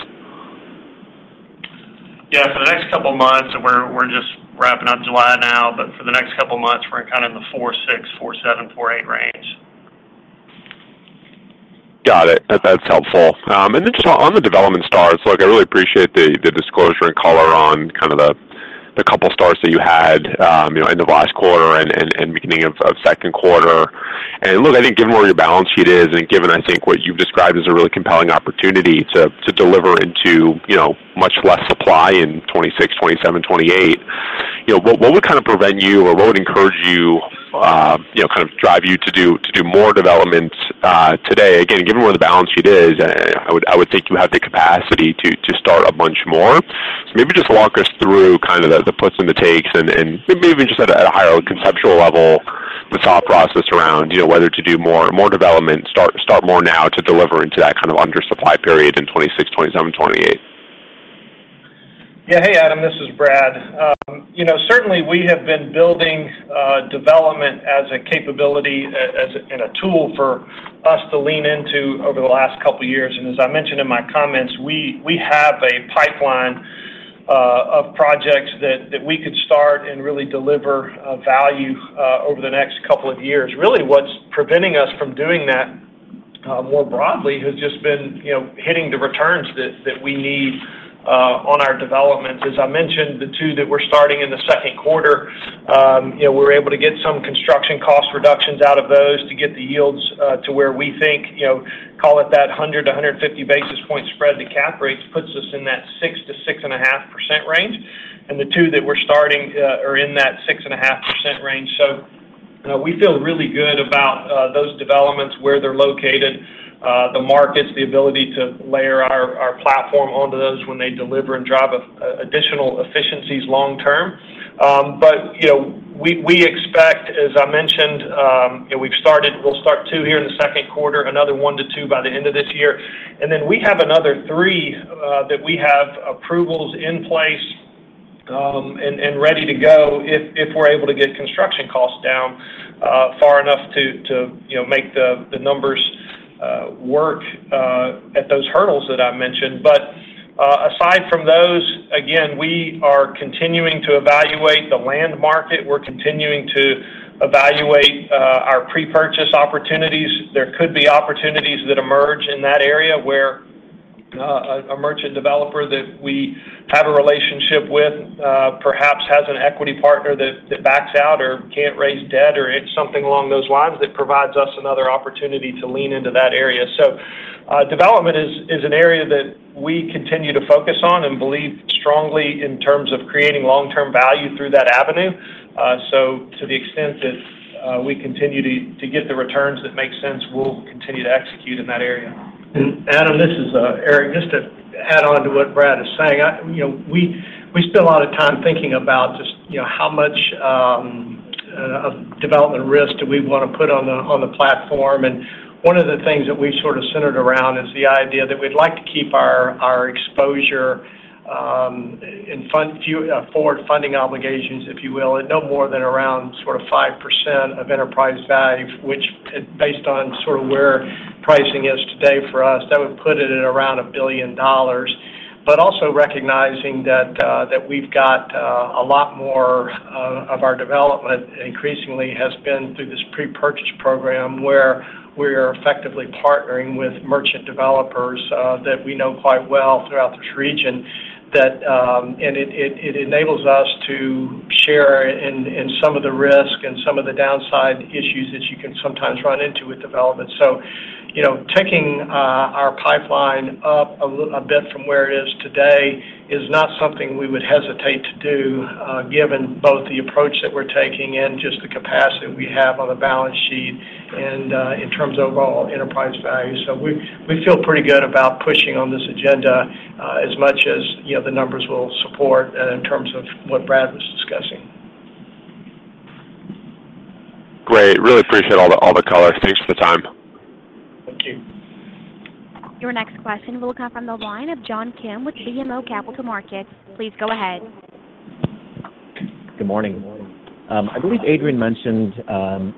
Yeah. For the next couple of months, we're just wrapping up July now. But for the next couple of months, we're kind of in the 4.6-4.8 range. Got it. That's helpful. Then just on the development starts, look, I really appreciate the disclosure and color on kind of the couple of starts that you had end of last quarter and beginning of second quarter. Look, I think given where your balance sheet is and given, I think, what you've described as a really compelling opportunity to deliver into much less supply in 2026, 2027, 2028, what would kind of prevent you or what would encourage you, kind of drive you to do more development today? Again, given where the balance sheet is, I would think you have the capacity to start a bunch more. So maybe just walk us through kind of the puts and the takes and maybe even just at a higher conceptual level, the thought process around whether to do more development, start more now to deliver into that kind of undersupply period in 2026, 2027, 2028? Yeah. Hey, Adam. This is Brad. Certainly, we have been building development as a capability and a tool for us to lean into over the last couple of years. And as I mentioned in my comments, we have a pipeline of projects that we could start and really deliver value over the next couple of years. Really, what's preventing us from doing that more broadly has just been hitting the returns that we need on our developments. As I mentioned, the two that we're starting in the second quarter, we're able to get some construction cost reductions out of those to get the yields to where we think, call it that 100-150 basis point spread to cap rates, puts us in that 6%-6.5% range. And the two that we're starting are in that 6.5% range. So we feel really good about those developments, where they're located, the markets, the ability to layer our platform onto those when they deliver and drive additional efficiencies long term. But we expect, as I mentioned, we'll start 2 here in the second quarter, another 1-2 by the end of this year. And then we have another 3 that we have approvals in place and ready to go if we're able to get construction costs down far enough to make the numbers work at those hurdles that I mentioned. But aside from those, again, we are continuing to evaluate the land market. We're continuing to evaluate our pre-purchase opportunities. There could be opportunities that emerge in that area where a merchant developer that we have a relationship with perhaps has an equity partner that backs out or can't raise debt or something along those lines that provides us another opportunity to lean into that area. Development is an area that we continue to focus on and believe strongly in terms of creating long-term value through that avenue. To the extent that we continue to get the returns that make sense, we'll continue to execute in that area. Adam, this is Eric. Just to add on to what Brad is saying, we spend a lot of time thinking about just how much of development risk do we want to put on the platform. One of the things that we've sort of centered around is the idea that we'd like to keep our exposure in forward funding obligations, if you will, at no more than around sort of 5% of enterprise value, which based on sort of where pricing is today for us, that would put it at around $1 billion. But also recognizing that we've got a lot more of our development increasingly has been through this pre-purchase program where we're effectively partnering with merchant developers that we know quite well throughout this region. It enables us to share in some of the risk and some of the downside issues that you can sometimes run into with development. So taking our pipeline up a bit from where it is today is not something we would hesitate to do given both the approach that we're taking and just the capacity we have on the balance sheet and in terms of overall enterprise value. So we feel pretty good about pushing on this agenda as much as the numbers will support in terms of what Brad was discussing. Great. Really appreciate all the colors. Thanks for the time. Thank you. Your next question will come from the line of John Kim with BMO Capital Markets. Please go ahead. Good morning. I believe Adrian mentioned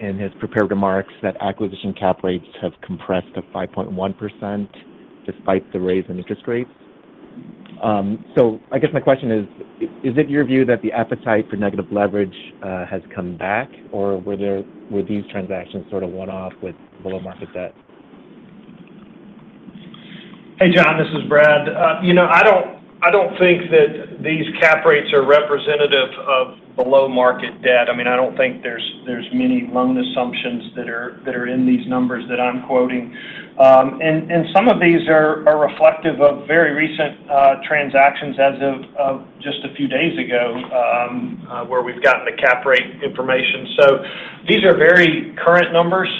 in his prepared remarks that acquisition cap rates have compressed to 5.1% despite the rise in interest rates. So I guess my question is, is it your view that the appetite for negative leverage has come back, or were these transactions sort of one-off with below-market debt? Hey, John. This is Brad. I don't think that these cap rates are representative of below-market debt. I mean, I don't think there's many loan assumptions that are in these numbers that I'm quoting. And some of these are reflective of very recent transactions as of just a few days ago where we've gotten the cap rate information. So these are very current numbers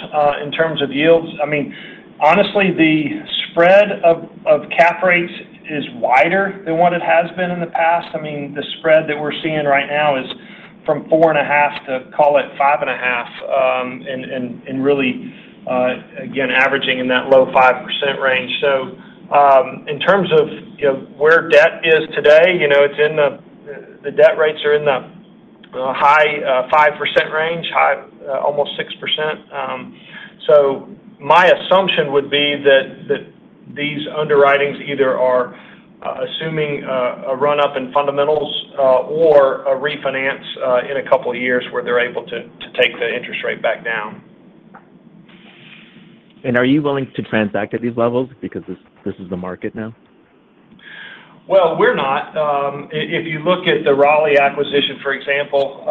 in terms of yields. I mean, honestly, the spread of cap rates is wider than what it has been in the past. I mean, the spread that we're seeing right now is from 4.5% to, call it, 5.5% and really, again, averaging in that low 5% range. So in terms of where debt is today, it's in the debt rates are in the high 5% range, almost 6%. So my assumption would be that these underwritings either are assuming a run-up in fundamentals or a refinance in a couple of years where they're able to take the interest rate back down. Are you willing to transact at these levels because this is the market now? Well, we're not. If you look at the Raleigh acquisition, for example,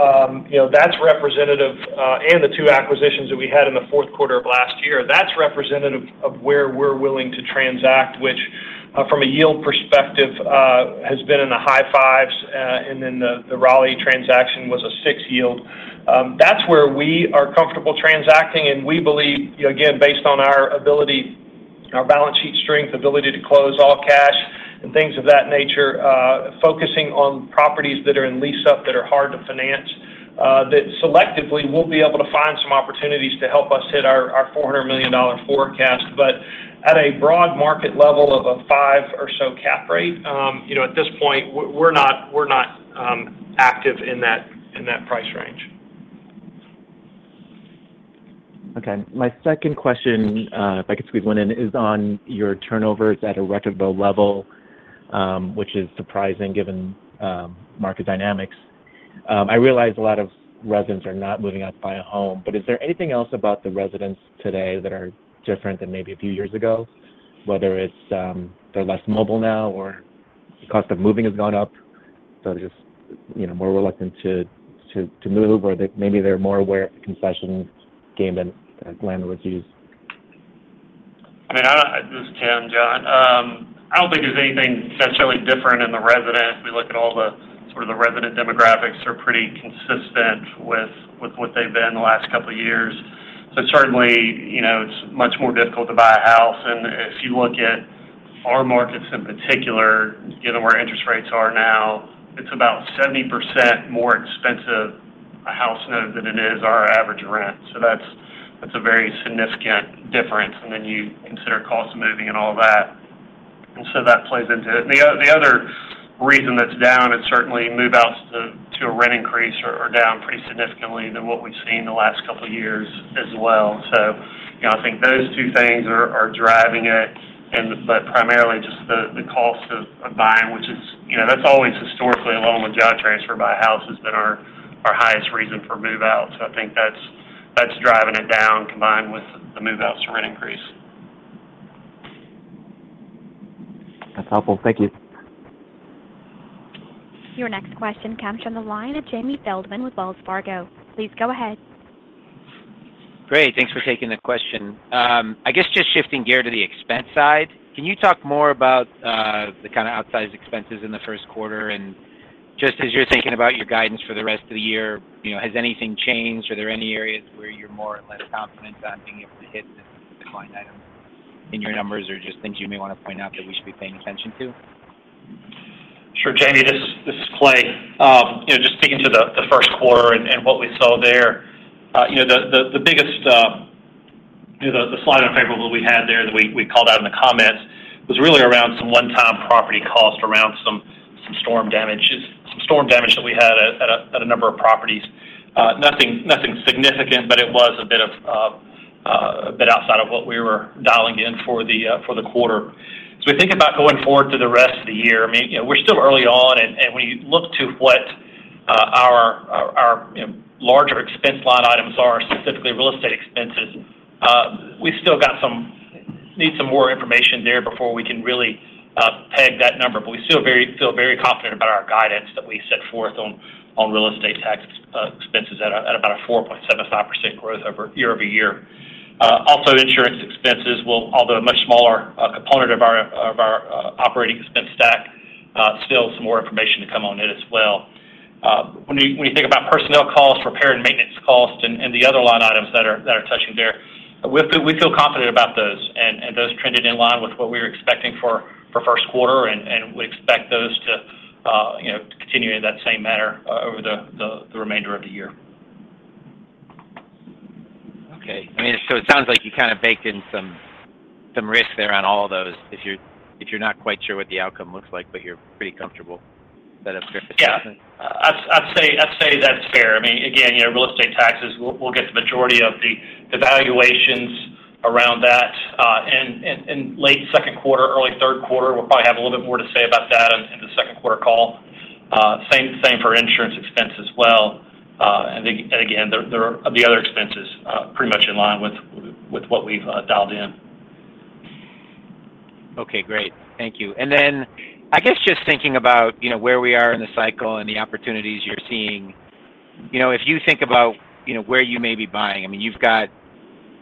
that's representative and the two acquisitions that we had in the fourth quarter of last year, that's representative of where we're willing to transact, which from a yield perspective has been in the high 5s. And then the Raleigh transaction was a 6 yield. That's where we are comfortable transacting. And we believe, again, based on our ability, our balance sheet strength, ability to close all cash and things of that nature, focusing on properties that are in lease up that are hard to finance, that selectively, we'll be able to find some opportunities to help us hit our $400 million forecast. But at a broad market level of a 5 or so cap rate, at this point, we're not active in that price range. Okay. My second question, if I could squeeze one in, is on your turnovers at a record low level, which is surprising given market dynamics. I realize a lot of residents are not moving out to buy a home. But is there anything else about the residents today that are different than maybe a few years ago, whether it's they're less mobile now or the cost of moving has gone up, so they're just more reluctant to move, or maybe they're more aware of the concession game that landlords use? I mean, this is Tim, John. I don't think there's anything that's really different in the residents. We look at all the sort of the resident demographics, they're pretty consistent with what they've been the last couple of years. So certainly, it's much more difficult to buy a house. And if you look at our markets in particular, given where interest rates are now, it's about 70% more expensive a house note than it is our average rent. So that's a very significant difference. And then you consider cost of moving and all that. And so that plays into it. And the other reason that's down is certainly move-outs to a rent increase are down pretty significantly than what we've seen the last couple of years as well. So I think those two things are driving it, but primarily just the cost of buying, which is—that's always historically, along with job transfer, buying houses has been our highest reason for move-out. So I think that's driving it down combined with the move-outs to rent increase. That's helpful. Thank you. Your next question comes from the line of Jamie Feldman with Wells Fargo. Please go ahead. Great. Thanks for taking the question. I guess just shifting gear to the expense side, can you talk more about the kind of outsized expenses in the first quarter? And just as you're thinking about your guidance for the rest of the year, has anything changed? Are there any areas where you're more or less confident on being able to hit the client items in your numbers or just things you may want to point out that we should be paying attention to? Sure, Jamie. This is Clay. Just speaking to the first quarter and what we saw there, the biggest slide on paper that we had there that we called out in the comments was really around some one-time property cost around some storm damage that we had at a number of properties. Nothing significant, but it was a bit outside of what we were dialing in for the quarter. As we think about going forward to the rest of the year, I mean, we're still early on. And when you look to what our larger expense line items are, specifically real estate expenses, we still need some more information there before we can really peg that number. But we still feel very confident about our guidance that we set forth on real estate tax expenses at about a 4.75% growth year-over-year. Also, insurance expenses, although a much smaller component of our operating expense stack, still some more information to come on it as well. When you think about personnel costs, repair and maintenance costs, and the other line items that are touching there, we feel confident about those. Those trended in line with what we were expecting for first quarter. We expect those to continue in that same manner over the remainder of the year. Okay. I mean, so it sounds like you kind of baked in some risk there on all of those if you're not quite sure what the outcome looks like, but you're pretty comfortable. Is that a fair assessment? Yeah. I'd say that's fair. I mean, again, real estate taxes, we'll get the majority of the valuations around that. And late second quarter, early third quarter, we'll probably have a little bit more to say about that in the second quarter call. Same for insurance expense as well. And again, the other expenses pretty much in line with what we've dialed in. Okay. Great. Thank you. Then I guess just thinking about where we are in the cycle and the opportunities you're seeing, if you think about where you may be buying, I mean, you've got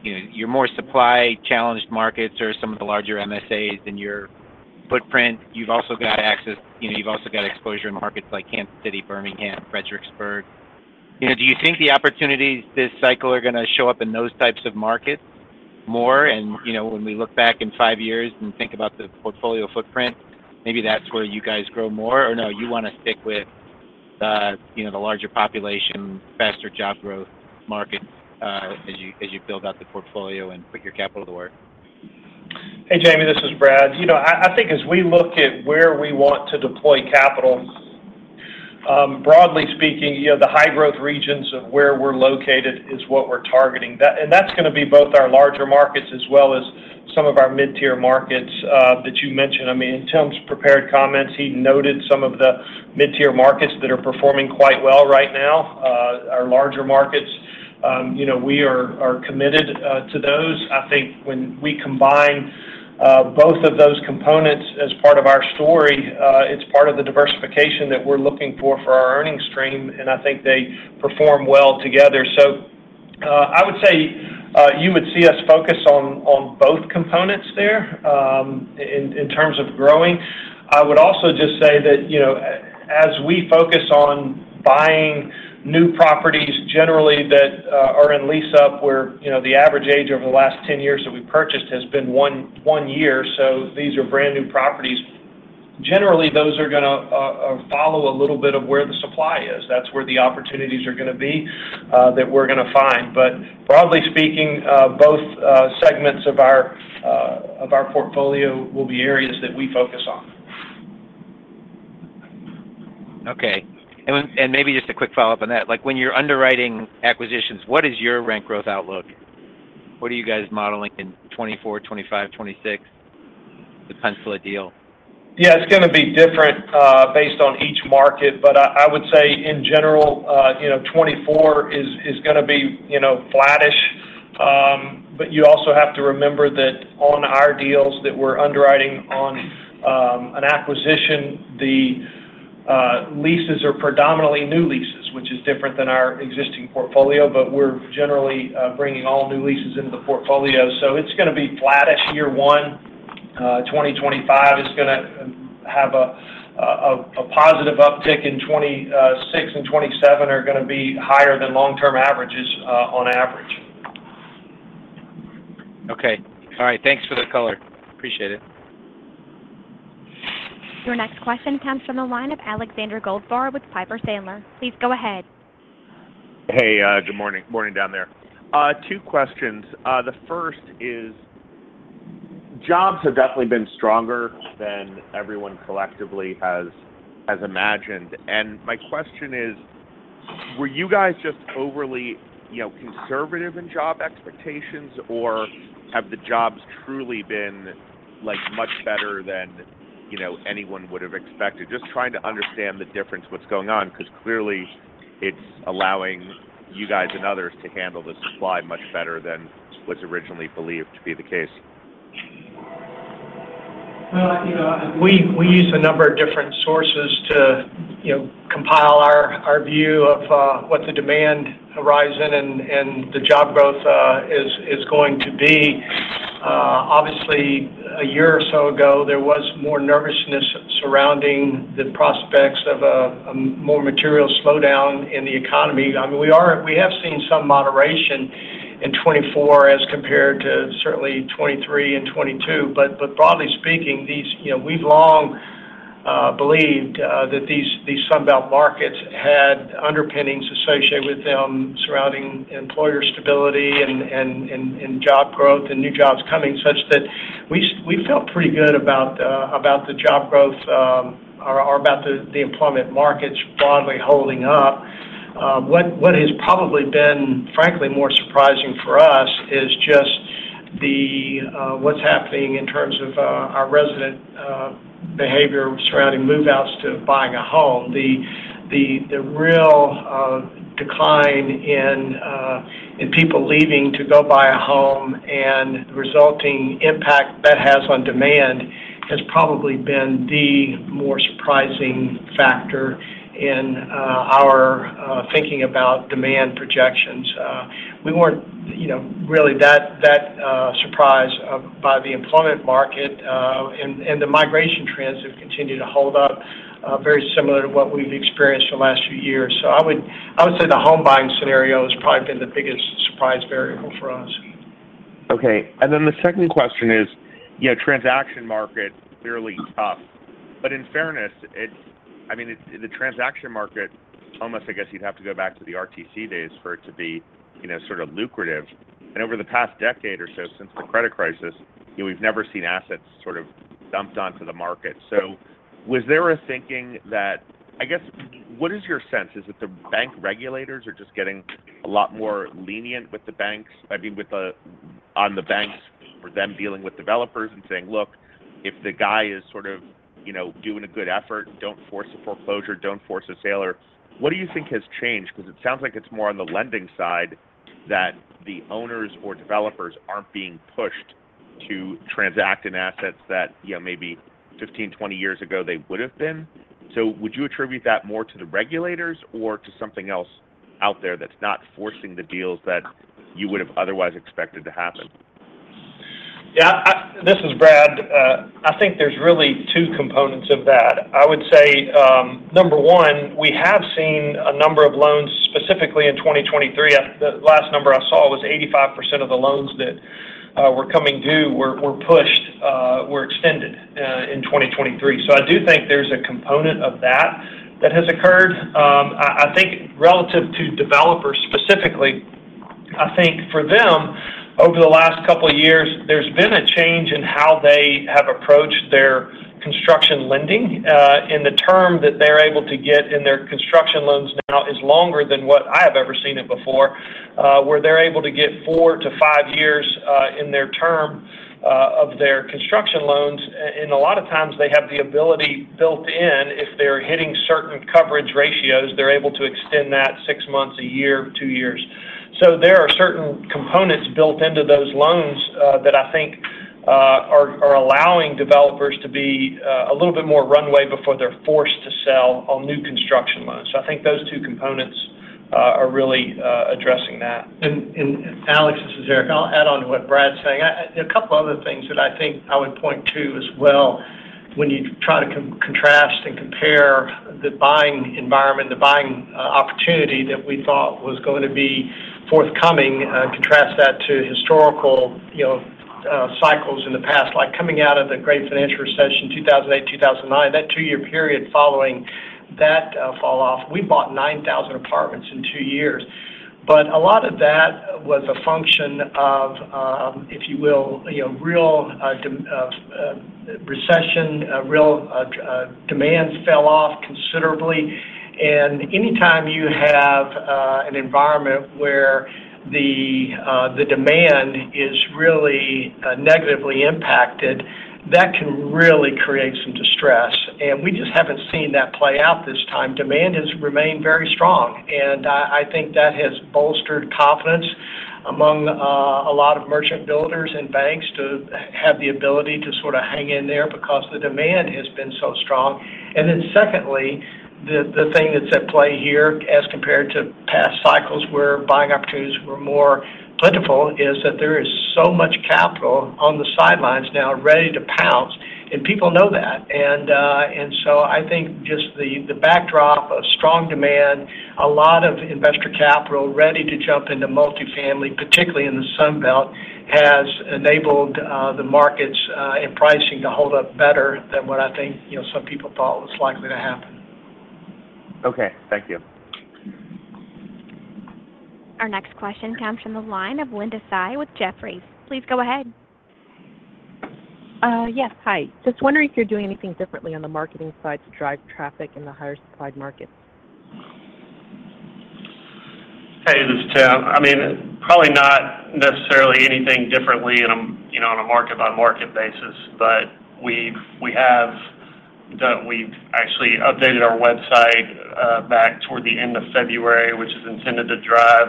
your more supply-challenged markets or some of the larger MSAs in your footprint. You've also got exposure in markets like Kansas City, Birmingham, Fredericksburg. Do you think the opportunities this cycle are going to show up in those types of markets more? And when we look back in five years and think about the portfolio footprint, maybe that's where you guys grow more? Or no, you want to stick with the larger population, faster job growth markets as you build out the portfolio and put your capital to work? Hey, Jamie. This is Brad. I think as we look at where we want to deploy capital, broadly speaking, the high-growth regions of where we're located is what we're targeting. And that's going to be both our larger markets as well as some of our mid-tier markets that you mentioned. I mean, in Tim's prepared comments, he noted some of the mid-tier markets that are performing quite well right now, our larger markets. We are committed to those. I think when we combine both of those components as part of our story, it's part of the diversification that we're looking for for our earnings stream. And I think they perform well together. So I would say you would see us focus on both components there in terms of growing. I would also just say that as we focus on buying new properties, generally, that are in lease up where the average age over the last 10 years that we purchased has been one year, so these are brand new properties, generally, those are going to follow a little bit of where the supply is. That's where the opportunities are going to be that we're going to find. But broadly speaking, both segments of our portfolio will be areas that we focus on. Okay. Maybe just a quick follow-up on that. When you're underwriting acquisitions, what is your rent growth outlook? What are you guys modeling in 2024, 2025, 2026, the pencil a deal? Yeah. It's going to be different based on each market. But I would say, in general, 2024 is going to be flattish. But you also have to remember that on our deals that we're underwriting on an acquisition, the leases are predominantly new leases, which is different than our existing portfolio. But we're generally bringing all new leases into the portfolio. So it's going to be flattish year one. 2025 is going to have a positive uptick. And 2026 and 2027 are going to be higher than long-term averages on average. Okay. All right. Thanks for the color. Appreciate it. Your next question comes from the line of Alexander Goldfarb with Piper Sandler. Please go ahead. Hey. Good morning down there. Two questions. The first is jobs have definitely been stronger than everyone collectively has imagined. My question is, were you guys just overly conservative in job expectations, or have the jobs truly been much better than anyone would have expected? Just trying to understand the difference, what's going on, because clearly, it's allowing you guys and others to handle the supply much better than was originally believed to be the case. Well, we use a number of different sources to compile our view of what the demand horizon and the job growth is going to be. Obviously, a year or so ago, there was more nervousness surrounding the prospects of a more material slowdown in the economy. I mean, we have seen some moderation in 2024 as compared to certainly 2023 and 2022. But broadly speaking, we've long believed that these Sunbelt markets had underpinnings associated with them surrounding employer stability and job growth and new jobs coming such that we felt pretty good about the job growth or about the employment markets broadly holding up. What has probably been, frankly, more surprising for us is just what's happening in terms of our resident behavior surrounding move-outs to buying a home, the real decline in people leaving to go buy a home. The resulting impact that has on demand has probably been the more surprising factor in our thinking about demand projections. We weren't really that surprised by the employment market. The migration trends have continued to hold up very similar to what we've experienced the last few years. I would say the home buying scenario has probably been the biggest surprise variable for us. Okay. And then the second question is transaction market, clearly tough. But in fairness, I mean, the transaction market, almost, I guess you'd have to go back to the RTC days for it to be sort of lucrative. And over the past decade or so since the credit crisis, we've never seen assets sort of dumped onto the market. So was there a thinking that I guess what is your sense? Is it the bank regulators are just getting a lot more lenient with the banks? I mean, on the banks for them dealing with developers and saying, "Look, if the guy is sort of doing a good effort, don't force a foreclosure, don't force a sale," or what do you think has changed? Because it sounds like it's more on the lending side that the owners or developers aren't being pushed to transact in assets that maybe 15, 20 years ago, they would have been. So would you attribute that more to the regulators or to something else out there that's not forcing the deals that you would have otherwise expected to happen? Yeah. This is Brad. I think there's really 2 components of that. I would say, number one, we have seen a number of loans specifically in 2023. The last number I saw was 85% of the loans that were coming due were pushed, were extended in 2023. So I do think there's a component of that that has occurred. I think relative to developers specifically, I think for them, over the last couple of years, there's been a change in how they have approached their construction lending. And the term that they're able to get in their construction loans now is longer than what I have ever seen it before, where they're able to get 4-5 years in their term of their construction loans. A lot of times, they have the ability built in if they're hitting certain coverage ratios; they're able to extend that six months, a year, two years. So there are certain components built into those loans that I think are allowing developers to be a little bit more runway before they're forced to sell on new construction loans. So I think those two components are really addressing that. And Alex, this is Eric. I'll add on to what Brad's saying. A couple of other things that I think I would point to as well when you try to contrast and compare the buying environment, the buying opportunity that we thought was going to be forthcoming, contrast that to historical cycles in the past, like coming out of the Great Financial Recession, 2008, 2009, that 2-year period following that falloff, we bought 9,000 apartments in 2 years. But a lot of that was a function of, if you will, real recession, real demand fell off considerably. And anytime you have an environment where the demand is really negatively impacted, that can really create some distress. And we just haven't seen that play out this time. Demand has remained very strong. I think that has bolstered confidence among a lot of merchant builders and banks to have the ability to sort of hang in there because the demand has been so strong. And then secondly, the thing that's at play here as compared to past cycles where buying opportunities were more plentiful is that there is so much capital on the sidelines now ready to pounce. And people know that. And so I think just the backdrop of strong demand, a lot of investor capital ready to jump into multifamily, particularly in the Sunbelt, has enabled the markets and pricing to hold up better than what I think some people thought was likely to happen. Okay. Thank you. Our next question comes from the line of Linda Sy with Jefferies. Please go ahead. Yes. Hi. Just wondering if you're doing anything differently on the marketing side to drive traffic in the higher-supplied markets? Hey. This is Tim. I mean, probably not necessarily anything differently on a market-by-market basis. But we've actually updated our website back toward the end of February, which is intended to drive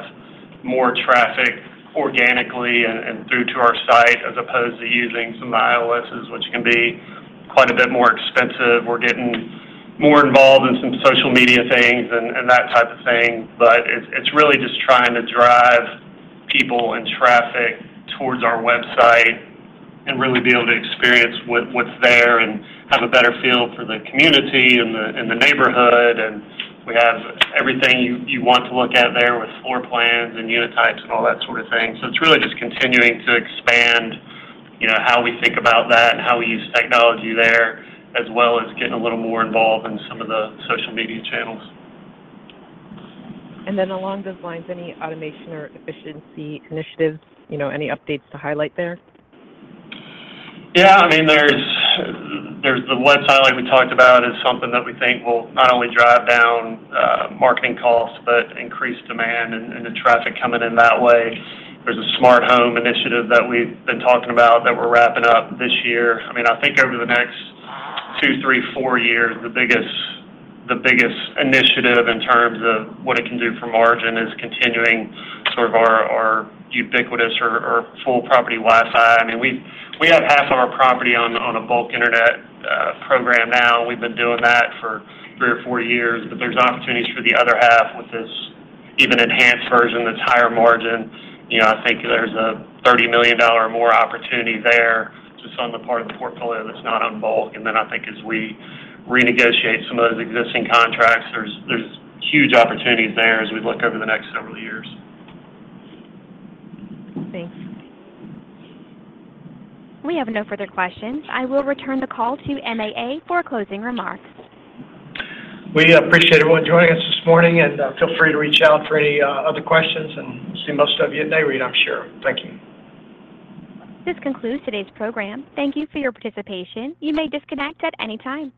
more traffic organically and through to our site as opposed to using some of the iOSs, which can be quite a bit more expensive. We're getting more involved in some social media things and that type of thing. But it's really just trying to drive people and traffic towards our website and really be able to experience what's there and have a better feel for the community and the neighborhood. And we have everything you want to look at there with floor plans and unit types and all that sort of thing. It's really just continuing to expand how we think about that and how we use technology there as well as getting a little more involved in some of the social media channels. And then along those lines, any automation or efficiency initiatives, any updates to highlight there? Yeah. I mean, the website like we talked about is something that we think will not only drive down marketing costs but increase demand and the traffic coming in that way. There's a smart home initiative that we've been talking about that we're wrapping up this year. I mean, I think over the next two, three, four years, the biggest initiative in terms of what it can do for margin is continuing sort of our ubiquitous or full property Wi-Fi. I mean, we have half of our property on a bulk internet program now. We've been doing that for three or four years. But there's opportunities for the other half with this even enhanced version that's higher margin. I think there's a $30 million or more opportunity there just on the part of the portfolio that's not on bulk. And then I think as we renegotiate some of those existing contracts, there's huge opportunities there as we look over the next several years. Thanks. We have no further questions. I will return the call to MAA for closing remarks. We appreciate everyone joining us this morning. Feel free to reach out for any other questions. We'll see most of you at Nareit, I'm sure. Thank you. This concludes today's program. Thank you for your participation. You may disconnect at any time.